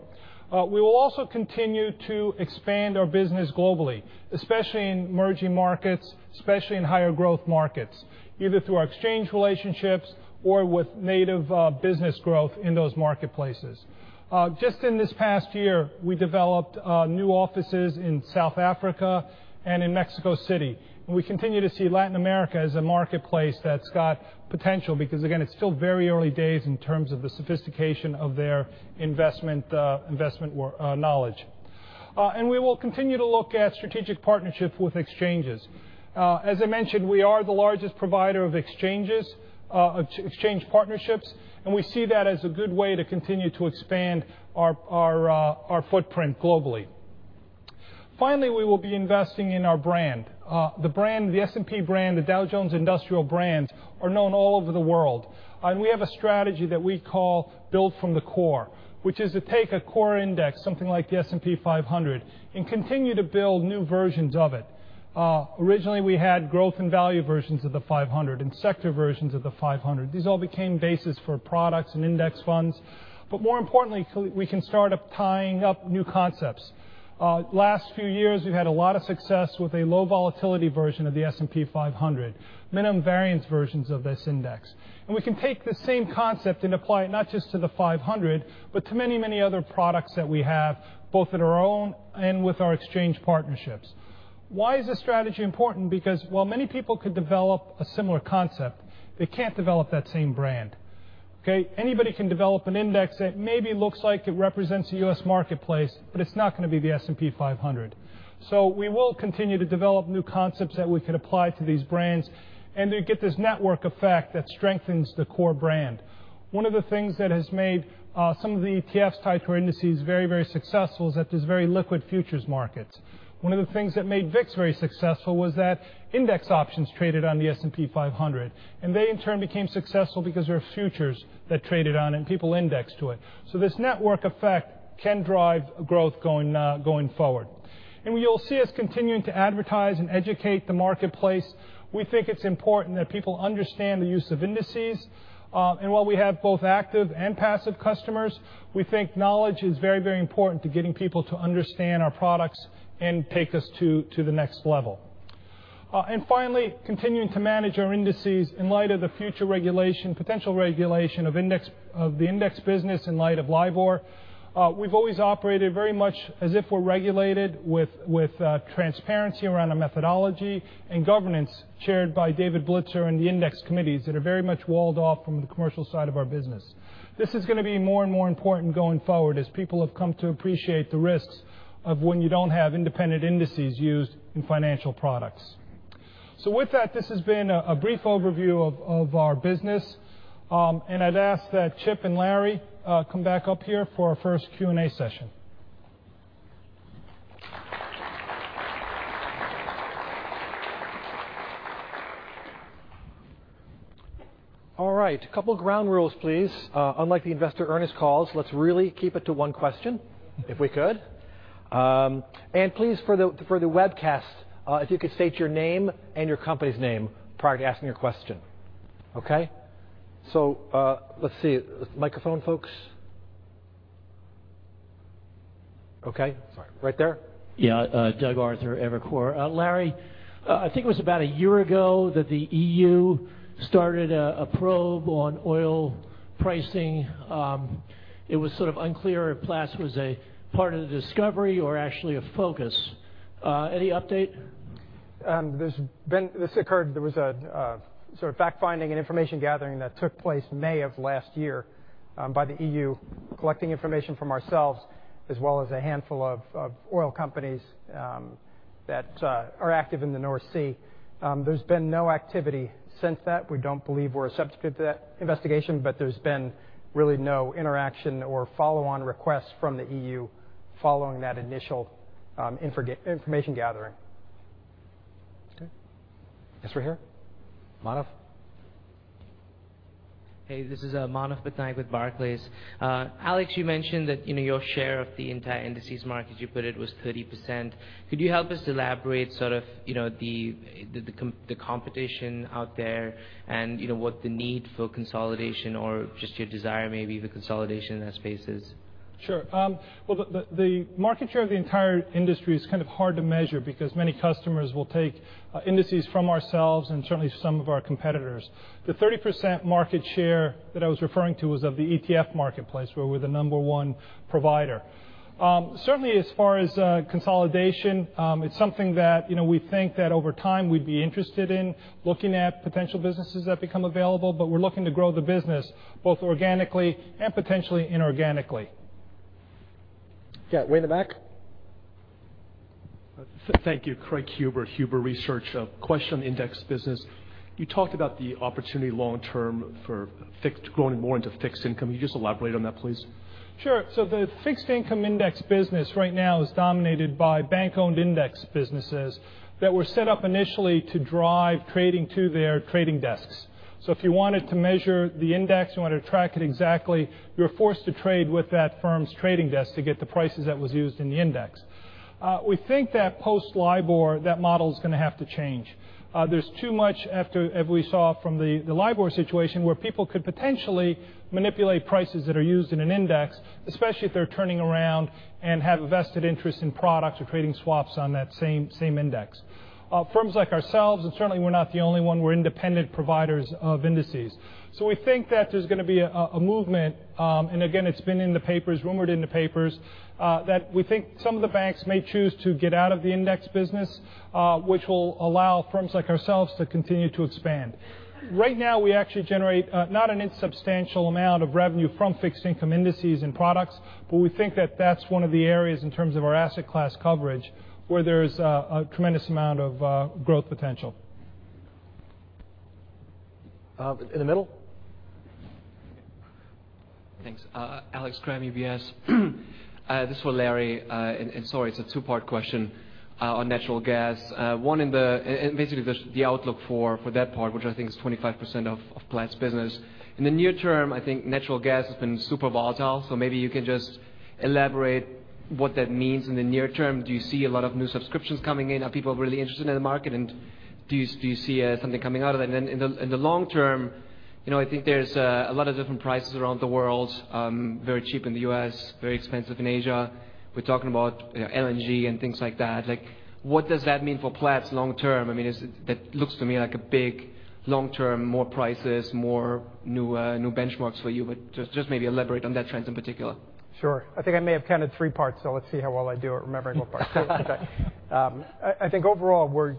Speaker 5: We will also continue to expand our business globally, especially in emerging markets, especially in higher growth markets, either through our exchange relationships or with native business growth in those marketplaces. Just in this past year, we developed new offices in South Africa and in Mexico City. We continue to see Latin America as a marketplace that's got potential because again, it's still very early days in terms of the sophistication of their investment knowledge. We will continue to look at strategic partnerships with exchanges. As I mentioned, we are the largest provider of exchange partnerships, We see that as a good way to continue to expand our footprint globally. Finally, we will be investing in our brand. The S&P brand, the Dow Jones Industrial brand are known all over the world. We have a strategy that we call Build From the Core, which is to take a core index, something like the S&P 500, and continue to build new versions of it. Originally, we had growth and value versions of the 500 and sector versions of the 500. These all became bases for products and index funds, but more importantly, we can start up tying up new concepts. Last few years, we've had a lot of success with a low volatility version of the S&P 500, minimum variance versions of this index. We can take the same concept and apply it not just to the 500, but to many other products that we have, both at our own and with our exchange partnerships. Why is this strategy important? Because while many people could develop a similar concept, they can't develop that same brand. Okay? Anybody can develop an index that maybe looks like it represents a U.S. marketplace, but it's not going to be the S&P 500. We will continue to develop new concepts that we could apply to these brands and to get this network effect that strengthens the core brand. One of the things that has made some of the ETFs tied to our indices very successful is that there's very liquid futures markets. One of the things that made VIX very successful was that index options traded on the S&P 500, and they in turn became successful because there are futures that traded on and people indexed to it. This network effect can drive growth going forward. You'll see us continuing to advertise and educate the marketplace. We think it's important that people understand the use of indices. While we have both active and passive customers, we think knowledge is very important to getting people to understand our products and take us to the next level. Finally, continuing to manage our indices in light of the future regulation, potential regulation of the index business in light of LIBOR. We've always operated very much as if we're regulated with transparency around our methodology and governance chaired by David Blitzer and the index committees that are very much walled off from the commercial side of our business. This is going to be more and more important going forward as people have come to appreciate the risks of when you don't have independent indices used in financial products. With that, this has been a brief overview of our business. I'd ask that Chip and Larry come back up here for our first Q&A session.
Speaker 1: All right. A couple of ground rules, please. Unlike the investor earnest calls, let's really keep it to one question, if we could. Please, for the webcast, if you could state your name and your company's name prior to asking your question. Okay? Let's see. Microphone, folks. Okay. Sorry, right there.
Speaker 6: Yeah. Doug Arthur, Evercore. Larry, I think it was about a year ago that the EU started a probe on oil pricing. It was sort of unclear if Platts was a part of the discovery or actually a focus. Any update?
Speaker 4: This occurred, there was a sort of fact-finding and information gathering that took place May of last year by the EU, collecting information from ourselves as well as a handful of oil companies that are active in the North Sea. There's been no activity since that. We don't believe we're a substitute to that investigation, there's been really no interaction or follow-on requests from the EU following that initial information gathering. Okay. Yes, sir. Here. Manav.
Speaker 7: Hey, this is Manav Patnaik with Barclays. Alex, you mentioned that your share of the entire indices market, you put it, was 30%. Could you help us elaborate sort of the competition out there and what the need for consolidation or just your desire maybe the consolidation in that space is?
Speaker 5: Sure. Well, the market share of the entire industry is kind of hard to measure because many customers will take indices from ourselves and certainly some of our competitors. The 30% market share that I was referring to was of the ETF marketplace, where we're the number 1 provider. Certainly, as far as consolidation, it's something that we think that over time we'd be interested in looking at potential businesses that become available, we're looking to grow the business both organically and potentially inorganically.
Speaker 1: Yeah. Way in the back.
Speaker 8: Thank you. Craig Huber, Huber Research. Question index business. You talked about the opportunity long term for growing more into fixed income. Could you just elaborate on that, please?
Speaker 5: Sure. The fixed income index business right now is dominated by bank-owned index businesses that were set up initially to drive trading to their trading desks. If you wanted to measure the index, you wanted to track it exactly, you were forced to trade with that firm's trading desk to get the prices that was used in the index. We think that post LIBOR, that model is going to have to change. There's too much after, as we saw from the LIBOR situation, where people could potentially manipulate prices that are used in an index, especially if they're turning around and have a vested interest in products or creating swaps on that same index. Firms like ourselves, and certainly we're not the only one, we're independent providers of indices. We think that there's going to be a movement, and again, it's been rumored in the papers, that we think some of the banks may choose to get out of the index business, which will allow firms like ourselves to continue to expand. Right now, we actually generate not an insubstantial amount of revenue from fixed income indices and products, but we think that that's one of the areas in terms of our asset class coverage, where there's a tremendous amount of growth potential.
Speaker 1: In the middle.
Speaker 9: Thanks. Alex Kramm, UBS. This is for Larry, sorry, it's a two-part question on natural gas. One, basically, the outlook for that part, which I think is 25% of Platts business. In the near term, I think natural gas has been super volatile, maybe you can just elaborate what that means in the near term. Do you see a lot of new subscriptions coming in? Are people really interested in the market, do you see something coming out of that? In the long term, I think there's a lot of different prices around the world, very cheap in the U.S., very expensive in Asia. We're talking about LNG and things like that. What does that mean for Platts long term? That looks to me like a big long term, more prices, more new benchmarks for you. Just maybe elaborate on that trend in particular.
Speaker 4: Sure. I think I may have counted three parts, let's see how well I do at remembering what parts. I think overall,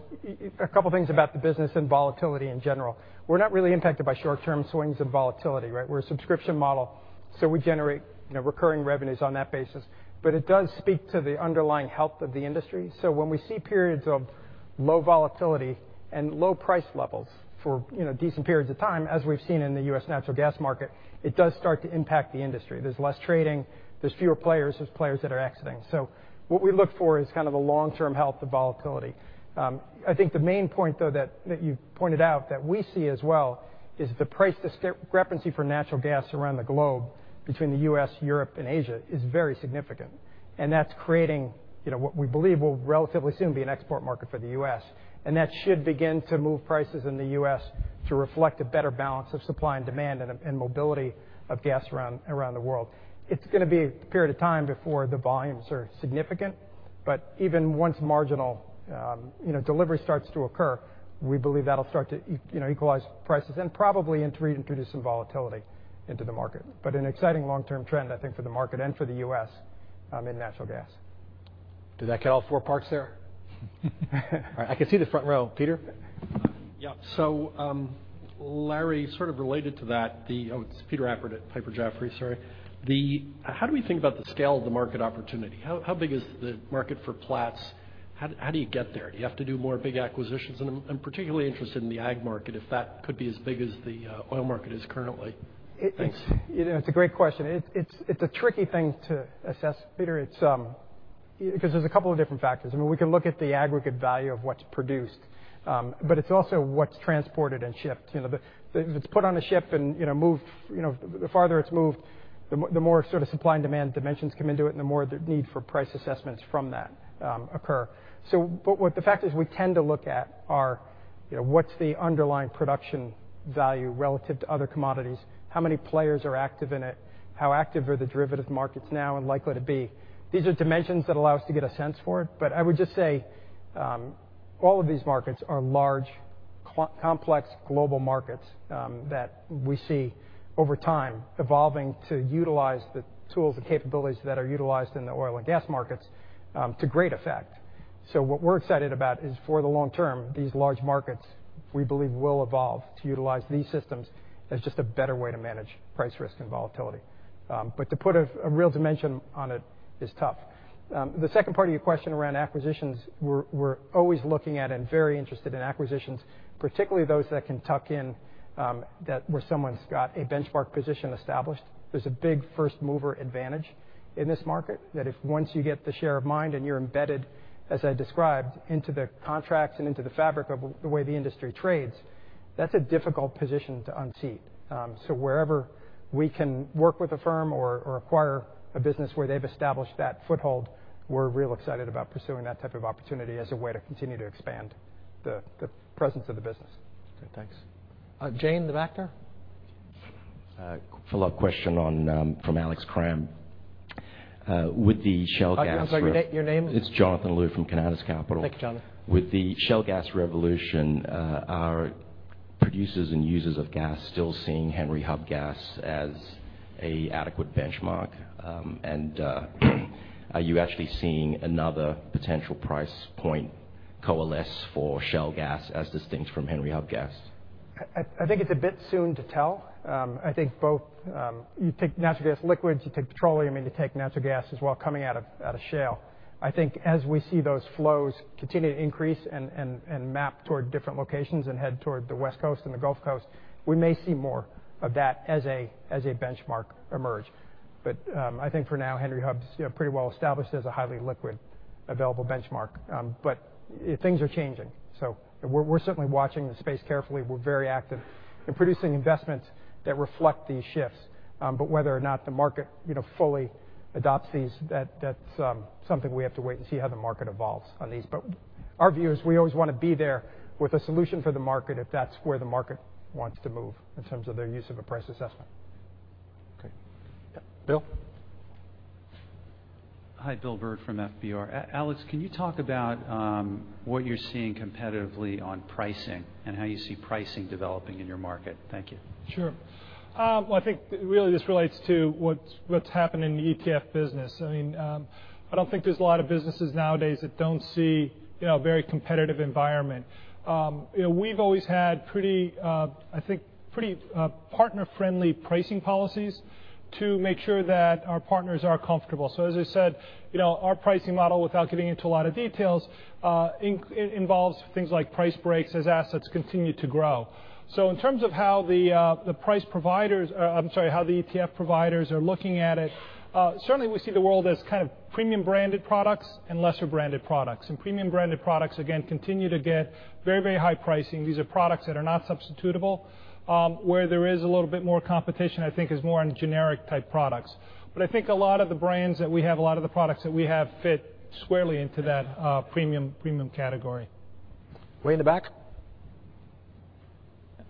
Speaker 4: a couple things about the business and volatility in general. We're not really impacted by short-term swings in volatility. We're a subscription model, we generate recurring revenues on that basis. It does speak to the underlying health of the industry, when we see periods of low volatility and low price levels for decent periods of time, as we've seen in the U.S. natural gas market, it does start to impact the industry. There's less trading. There's fewer players. There's players that are exiting. What we look for is the long-term health of volatility. I think the main point, though, that you pointed out that we see as well is the price discrepancy for natural gas around the globe between the U.S., Europe, and Asia is very significant. That's creating what we believe will relatively soon be an export market for the U.S. That should begin to move prices in the U.S. to reflect a better balance of supply and demand and mobility of gas around the world. It's going to be a period of time before the volumes are significant, even once marginal delivery starts to occur, we believe that'll start to equalize prices and probably introduce some volatility into the market. An exciting long-term trend, I think, for the market and for the U.S. in natural gas.
Speaker 1: Did that get all four parts there? All right, I can see the front row. Peter?
Speaker 10: Yeah. Larry, sort of related to that, the oh, it's Peter Appert at Piper Jaffray, sorry. How do we think about the scale of the market opportunity? How big is the market for Platts? How do you get there? Do you have to do more big acquisitions? I'm particularly interested in the ag market, if that could be as big as the oil market is currently. Thanks.
Speaker 4: It's a great question. It's a tricky thing to assess, Peter, because there's a couple of different factors. We can look at the aggregate value of what's produced. It's also what's transported and shipped. If it's put on a ship and moved, the farther it's moved, the more supply and demand dimensions come into it, and the more the need for price assessments from that occur. What the fact is we tend to look at are what's the underlying production value relative to other commodities? How many players are active in it? How active are the derivative markets now and likely to be? These are dimensions that allow us to get a sense for it. I would just say all of these markets are large, complex global markets that we see over time evolving to utilize the tools and capabilities that are utilized in the oil and gas markets to great effect. What we're excited about is for the long term, these large markets, we believe, will evolve to utilize these systems as just a better way to manage price risk and volatility. To put a real dimension on it is tough. The second part of your question around acquisitions, we're always looking at and very interested in acquisitions, particularly those that can tuck in where someone's got a benchmark position established. There's a big first-mover advantage in this market that if once you get the share of mind and you're embedded, as I described, into the contracts and into the fabric of the way the industry trades, that's a difficult position to unseat. Wherever we can work with a firm or acquire a business where they've established that foothold, we're real excited about pursuing that type of opportunity as a way to continue to expand the presence of the business.
Speaker 10: Okay, thanks.
Speaker 1: Jane in the back there.
Speaker 11: Follow-up question from Alex Kramm. With the shale gas
Speaker 1: I'm sorry, your name?
Speaker 11: It's Jonathan Lu from Canaccord Genuity.
Speaker 1: Thank you, Jonathan.
Speaker 11: With the shale gas revolution, are producers and users of gas still seeing Henry Hub gas as a adequate benchmark? Are you actually seeing another potential price point coalesce for shale gas as distinct from Henry Hub gas?
Speaker 4: I think it's a bit soon to tell. I think both. You take natural gas liquids, you take petroleum, and you take natural gas as well coming out of shale. I think as we see those flows continue to increase and map toward different locations and head toward the West Coast and the Gulf Coast, we may see more of that as a benchmark emerge. I think for now, Henry Hub's pretty well established as a highly liquid available benchmark. Things are changing. We're certainly watching the space carefully. We're very active in producing investments that reflect these shifts. Whether or not the market fully adopts these, that's something we have to wait and see how the market evolves on these. Our view is we always want to be there with a solution for the market if that's where the market wants to move in terms of their use of a price assessment.
Speaker 1: Okay. Bill?
Speaker 12: Hi, Bill Bird from FBR. Alex, can you talk about what you're seeing competitively on pricing and how you see pricing developing in your market? Thank you.
Speaker 5: Sure. Well, I think really this relates to what's happened in the ETF business. I don't think there's a lot of businesses nowadays that don't see a very competitive environment. We've always had, I think, pretty partner-friendly pricing policies to make sure that our partners are comfortable. As I said, our pricing model, without getting into a lot of details, involves things like price breaks as assets continue to grow. In terms of how the ETF providers are looking at it, certainly we see the world as kind of premium-branded products and lesser-branded products. Premium-branded products, again, continue to get very high pricing. These are products that are not substitutable. Where there is a little bit more competition, I think, is more on generic-type products. I think a lot of the brands that we have, a lot of the products that we have fit squarely into that premium category.
Speaker 1: Way in the back.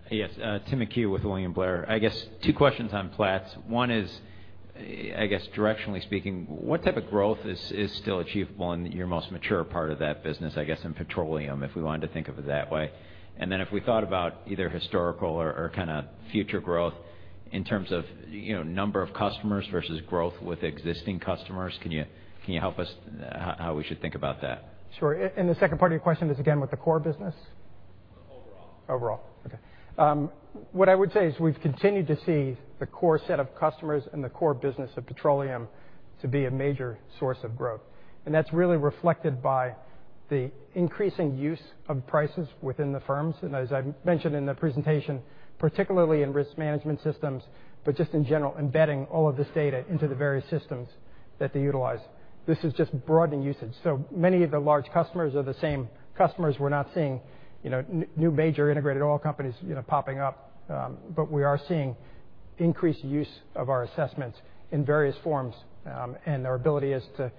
Speaker 13: Yes. Tim McHugh with William Blair. I guess two questions on Platts. One is, I guess directionally speaking, what type of growth is still achievable in your most mature part of that business, I guess, in petroleum, if we wanted to think of it that way? If we thought about either historical or kind of future growth in terms of number of customers versus growth with existing customers, can you help us how we should think about that?
Speaker 4: Sure. The second part of your question is again with the core business?
Speaker 13: Overall.
Speaker 4: Overall. Okay. What I would say is we've continued to see the core set of customers and the core business of petroleum to be a major source of growth, that's really reflected by the increasing use of prices within the firms. As I mentioned in the presentation, particularly in risk management systems, but just in general, embedding all of this data into the various systems that they utilize. This is just broadening usage. Many of the large customers are the same customers. We're not seeing new major integrated oil companies popping up. We are seeing increased use of our assessments in various forms, and our ability is to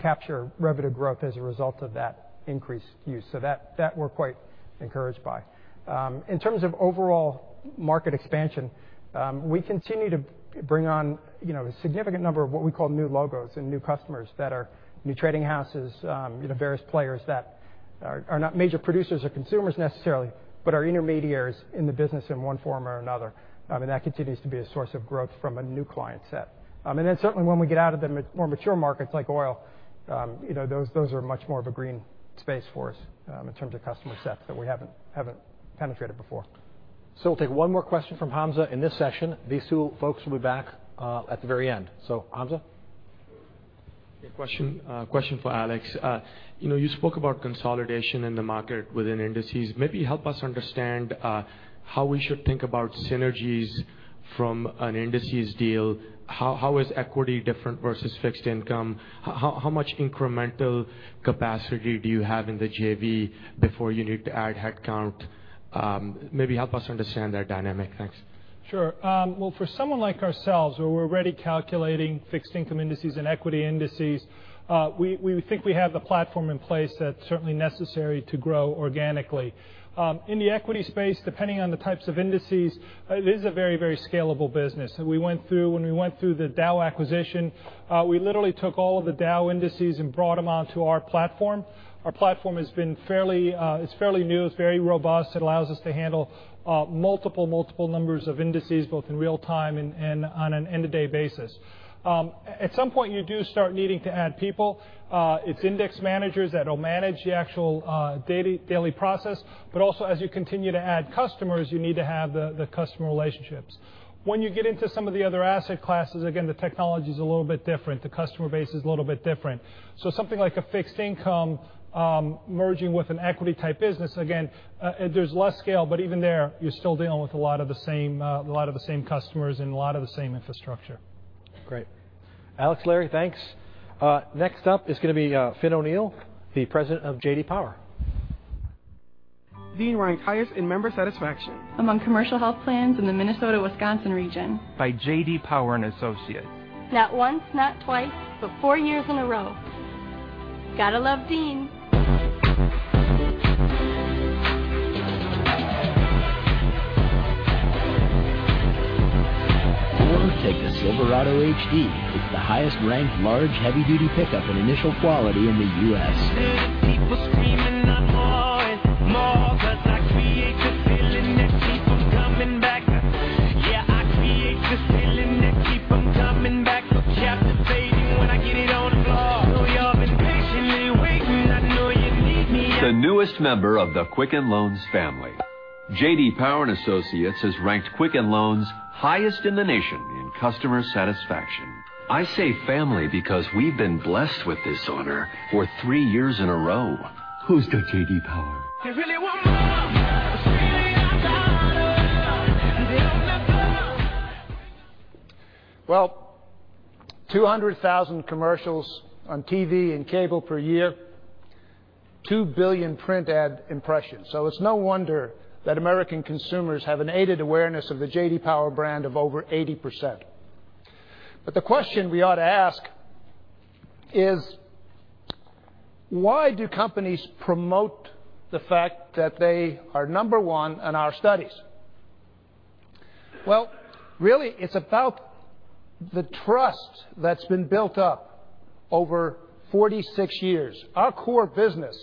Speaker 4: capture revenue growth as a result of that increased use. That we're quite encouraged by. In terms of overall market expansion, we continue to bring on a significant number of what we call new logos and new customers that are new trading houses, various players that are not major producers or consumers necessarily, but are intermediaries in the business in one form or another. That continues to be a source of growth from a new client set. Certainly when we get out of the more mature markets like oil, those are much more of a green space for us in terms of customer sets that we haven't penetrated before.
Speaker 1: We'll take one more question from Hamza in this session. These two folks will be back at the very end. Hamza.
Speaker 14: Yeah, question for Alex. You spoke about consolidation in the market within indices. Maybe help us understand how we should think about synergies from an indices deal. How is equity different versus fixed income? How much incremental capacity do you have in the JV before you need to add headcount? Maybe help us understand that dynamic. Thanks.
Speaker 5: Sure. Well, for someone like ourselves, where we're already calculating fixed income indices and equity indices, we think we have the platform in place that's certainly necessary to grow organically. In the equity space, depending on the types of indices, it is a very scalable business. When we went through the Dow acquisition, we literally took all of the Dow indices and brought them onto our platform. Our platform is fairly new, it's very robust. It allows us to handle multiple numbers of indices, both in real time and on an end-of-day basis. At some point, you do start needing to add people. It's index managers that'll manage the actual daily process. Also, as you continue to add customers, you need to have the customer relationships. When you get into some of the other asset classes, again, the technology's a little bit different. The customer base is a little bit different. Something like a fixed income merging with an equity-type business, again, there's less scale, but even there, you're still dealing with a lot of the same customers and a lot of the same infrastructure.
Speaker 1: Great. Alex, Larry, thanks. Next up is going to be Finbarr O'Neill, the President of J.D. Power.
Speaker 2: Dean ranks highest in member satisfaction. Among commercial health plans in the Minnesota Wisconsin region. By J.D. Power and Associates. Not once, not twice, but four years in a row. Got to love Dean. Take the Silverado HD. It's the highest-ranked large heavy-duty pickup and initial quality in the U.S. See the people screaming out more and more. I create the feeling that keep them coming back. Yeah, I create the feeling that keep them coming back. No cap, they say it when I get it on the floor. Know y'all been patiently waiting. I know you need me The newest member of the Quicken Loans family. J.D. Power and Associates has ranked Quicken Loans highest in the nation in customer satisfaction. I say family because we've been blessed with this honor for three years in a row.
Speaker 1: Who's got J.D. Power?
Speaker 2: They really want more. More. Really I got it. You feel me on the floor.
Speaker 15: Well, 200,000 commercials on TV and cable per year, 2 billion print ad impressions. It's no wonder that American consumers have an aided awareness of the J.D. Power brand of over 80%. The question we ought to ask is, why do companies promote the fact that they are number one in our studies? Well, really, it's about the trust that's been built up over 46 years. Our core business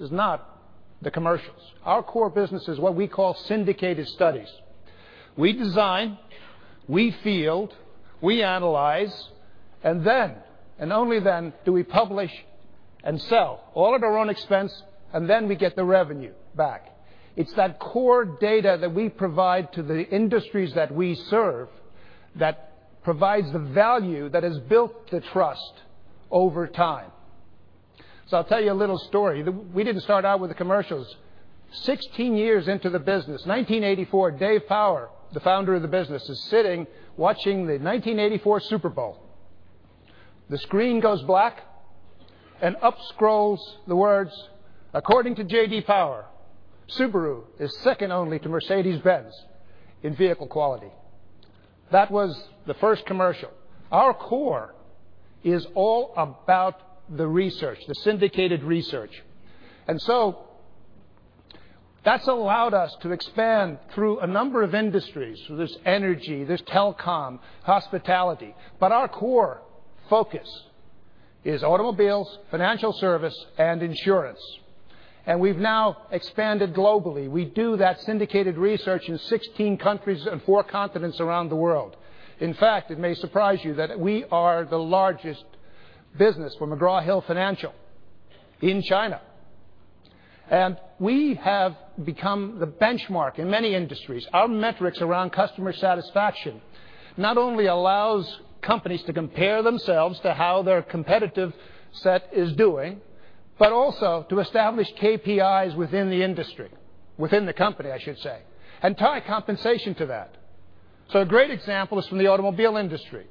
Speaker 15: is not the commercials. Our core business is what we call syndicated studies. We design, we field, we analyze, then, and only then, do we publish and sell all at our own expense, then we get the revenue back. It's that core data that we provide to the industries that we serve that provides the value that has built the trust over time. I'll tell you a little story. We didn't start out with the commercials. 16 years into the business, 1984, Dave Power, the founder of the business, is sitting watching the 1984 Super Bowl. The screen goes black and up scrolls the words, "According to J.D. Power, Subaru is second only to Mercedes-Benz in vehicle quality." That was the first commercial. Our core is all about the research, the syndicated research. That's allowed us to expand through a number of industries. There's energy, there's telecom, hospitality, our core focus is automobiles, financial service, and insurance. We've now expanded globally. We do that syndicated research in 16 countries and four continents around the world. In fact, it may surprise you that we are the largest business for McGraw Hill Financial in China. We have become the benchmark in many industries. Our metrics around customer satisfaction not only allows companies to compare themselves to how their competitive set is doing, but also to establish KPIs within the industry, within the company, I should say, and tie compensation to that. A great example is from the automobile industry.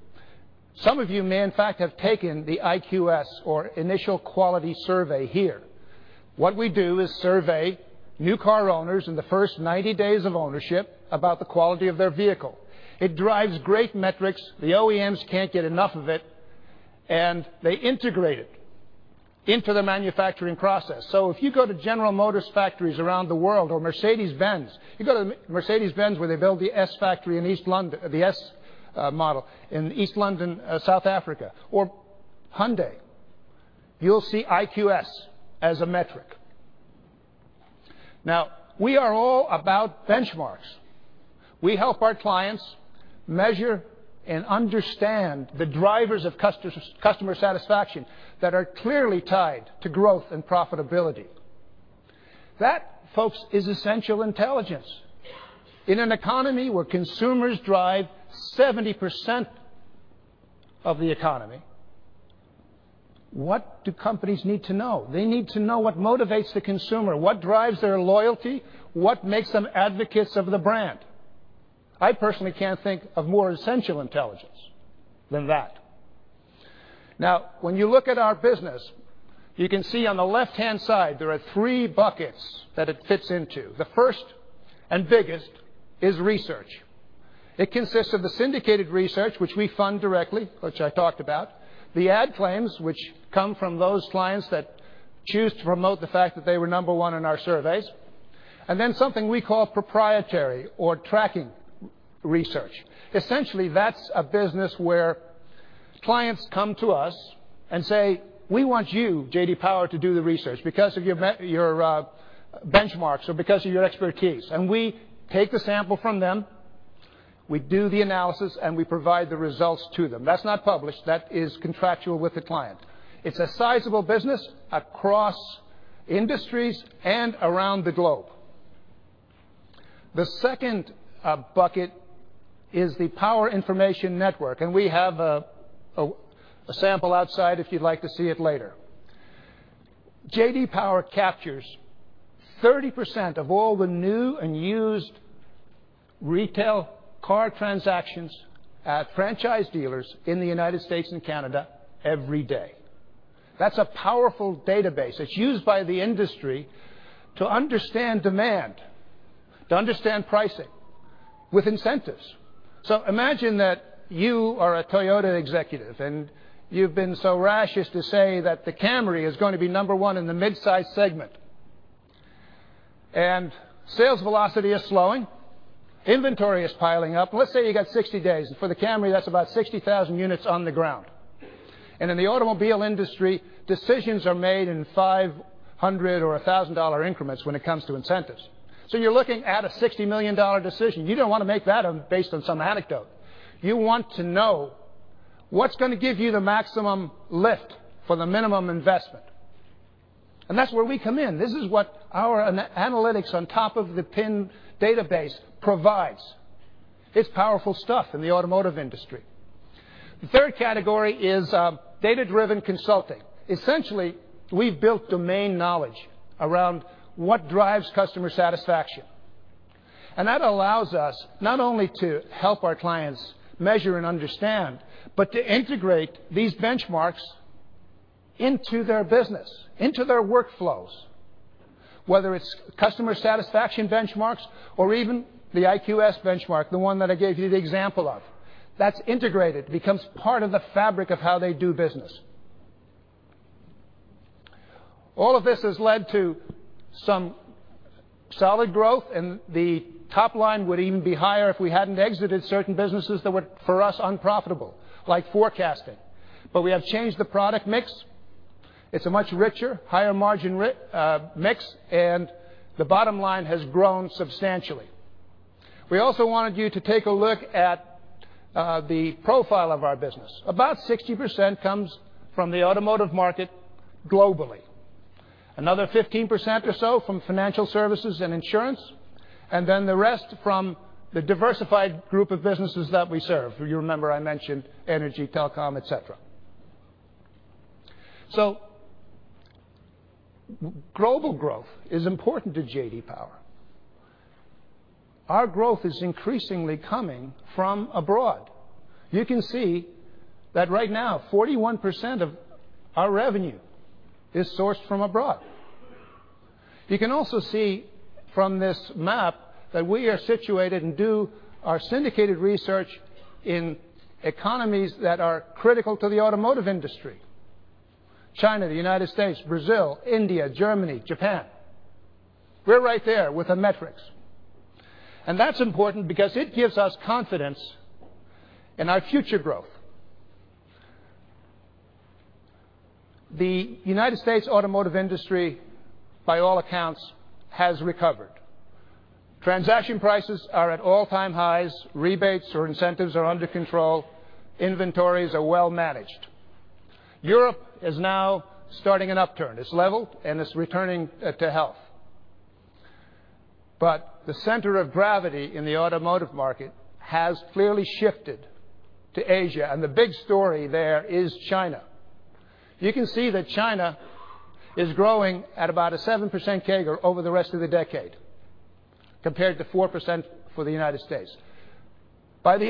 Speaker 15: Some of you may, in fact, have taken the IQS or Initial Quality Survey here. What we do is survey new car owners in the first 90 days of ownership about the quality of their vehicle. It drives great metrics. The OEMs can't get enough of it, and they integrate it into the manufacturing process. If you go to General Motors factories around the world or Mercedes-Benz, you go to Mercedes-Benz, where they build the S model in East London, South Africa, or Hyundai. You'll see IQS as a metric. We are all about benchmarks. We help our clients measure and understand the drivers of customer satisfaction that are clearly tied to growth and profitability. That, folks, is essential intelligence. In an economy where consumers drive 70% of the economy, what do companies need to know? They need to know what motivates the consumer, what drives their loyalty, what makes them advocates of the brand. I personally can't think of more essential intelligence than that. When you look at our business, you can see on the left-hand side, there are 3 buckets that it fits into. The first and biggest is research. It consists of the syndicated research, which we fund directly, which I talked about, the ad claims, which come from those clients that choose to promote the fact that they were number 1 in our surveys, and then something we call proprietary or tracking research. Essentially, that's a business where clients come to us and say, "We want you, J.D. Power, to do the research because of your benchmarks or because of your expertise." We take the sample from them, we do the analysis, and we provide the results to them. That's not published. That is contractual with the client. It's a sizable business across industries and around the globe. The second bucket is the Power Information Network, we have a sample outside if you'd like to see it later. J.D. Power captures 30% of all the new and used retail car transactions at franchise dealers in the U.S. and Canada every day. That's a powerful database. It's used by the industry to understand demand, to understand pricing with incentives. Imagine that you are a Toyota executive, and you've been so rash as to say that the Camry is going to be number 1 in the mid-size segment. Sales velocity is slowing. Inventory is piling up. Let's say you got 60 days, and for the Camry, that's about 60,000 units on the ground. In the automobile industry, decisions are made in $500 or $1,000 increments when it comes to incentives. You're looking at a $60 million decision. You don't want to make that based on some anecdote. You want to know what's going to give you the maximum lift for the minimum investment. That's where we come in. This is what our analytics on top of the PIN database provides. It's powerful stuff in the automotive industry. The third category is data-driven consulting. Essentially, we've built domain knowledge around what drives customer satisfaction. That allows us not only to help our clients measure and understand, but to integrate these benchmarks into their business, into their workflows. Whether it's customer satisfaction benchmarks or even the IQS benchmark, the one that I gave you the example of, that's integrated, becomes part of the fabric of how they do business. All of this has led to some solid growth, and the top line would even be higher if we hadn't exited certain businesses that were, for us, unprofitable, like forecasting. We have changed the product mix. It's a much richer, higher margin mix, and the bottom line has grown substantially. We also wanted you to take a look at the profile of our business. About 60% comes from the automotive market globally, another 15% or so from financial services and insurance, and then the rest from the diversified group of businesses that we serve. You remember I mentioned energy, telecom, et cetera. Global growth is important to J.D. Power. Our growth is increasingly coming from abroad. You can see that right now, 41% of our revenue is sourced from abroad. You can also see from this map that we are situated and do our syndicated research in economies that are critical to the automotive industry. China, the U.S., Brazil, India, Germany, Japan. We're right there with the metrics. That's important because it gives us confidence in our future growth. The U.S. automotive industry, by all accounts, has recovered. Transaction prices are at all-time highs, rebates or incentives are under control, inventories are well managed. Europe is now starting an upturn. It's leveled, and it's returning to health. The center of gravity in the automotive market has clearly shifted to Asia, and the big story there is China. You can see that China is growing at about a 7% CAGR over the rest of the decade, compared to 4% for the U.S. By the end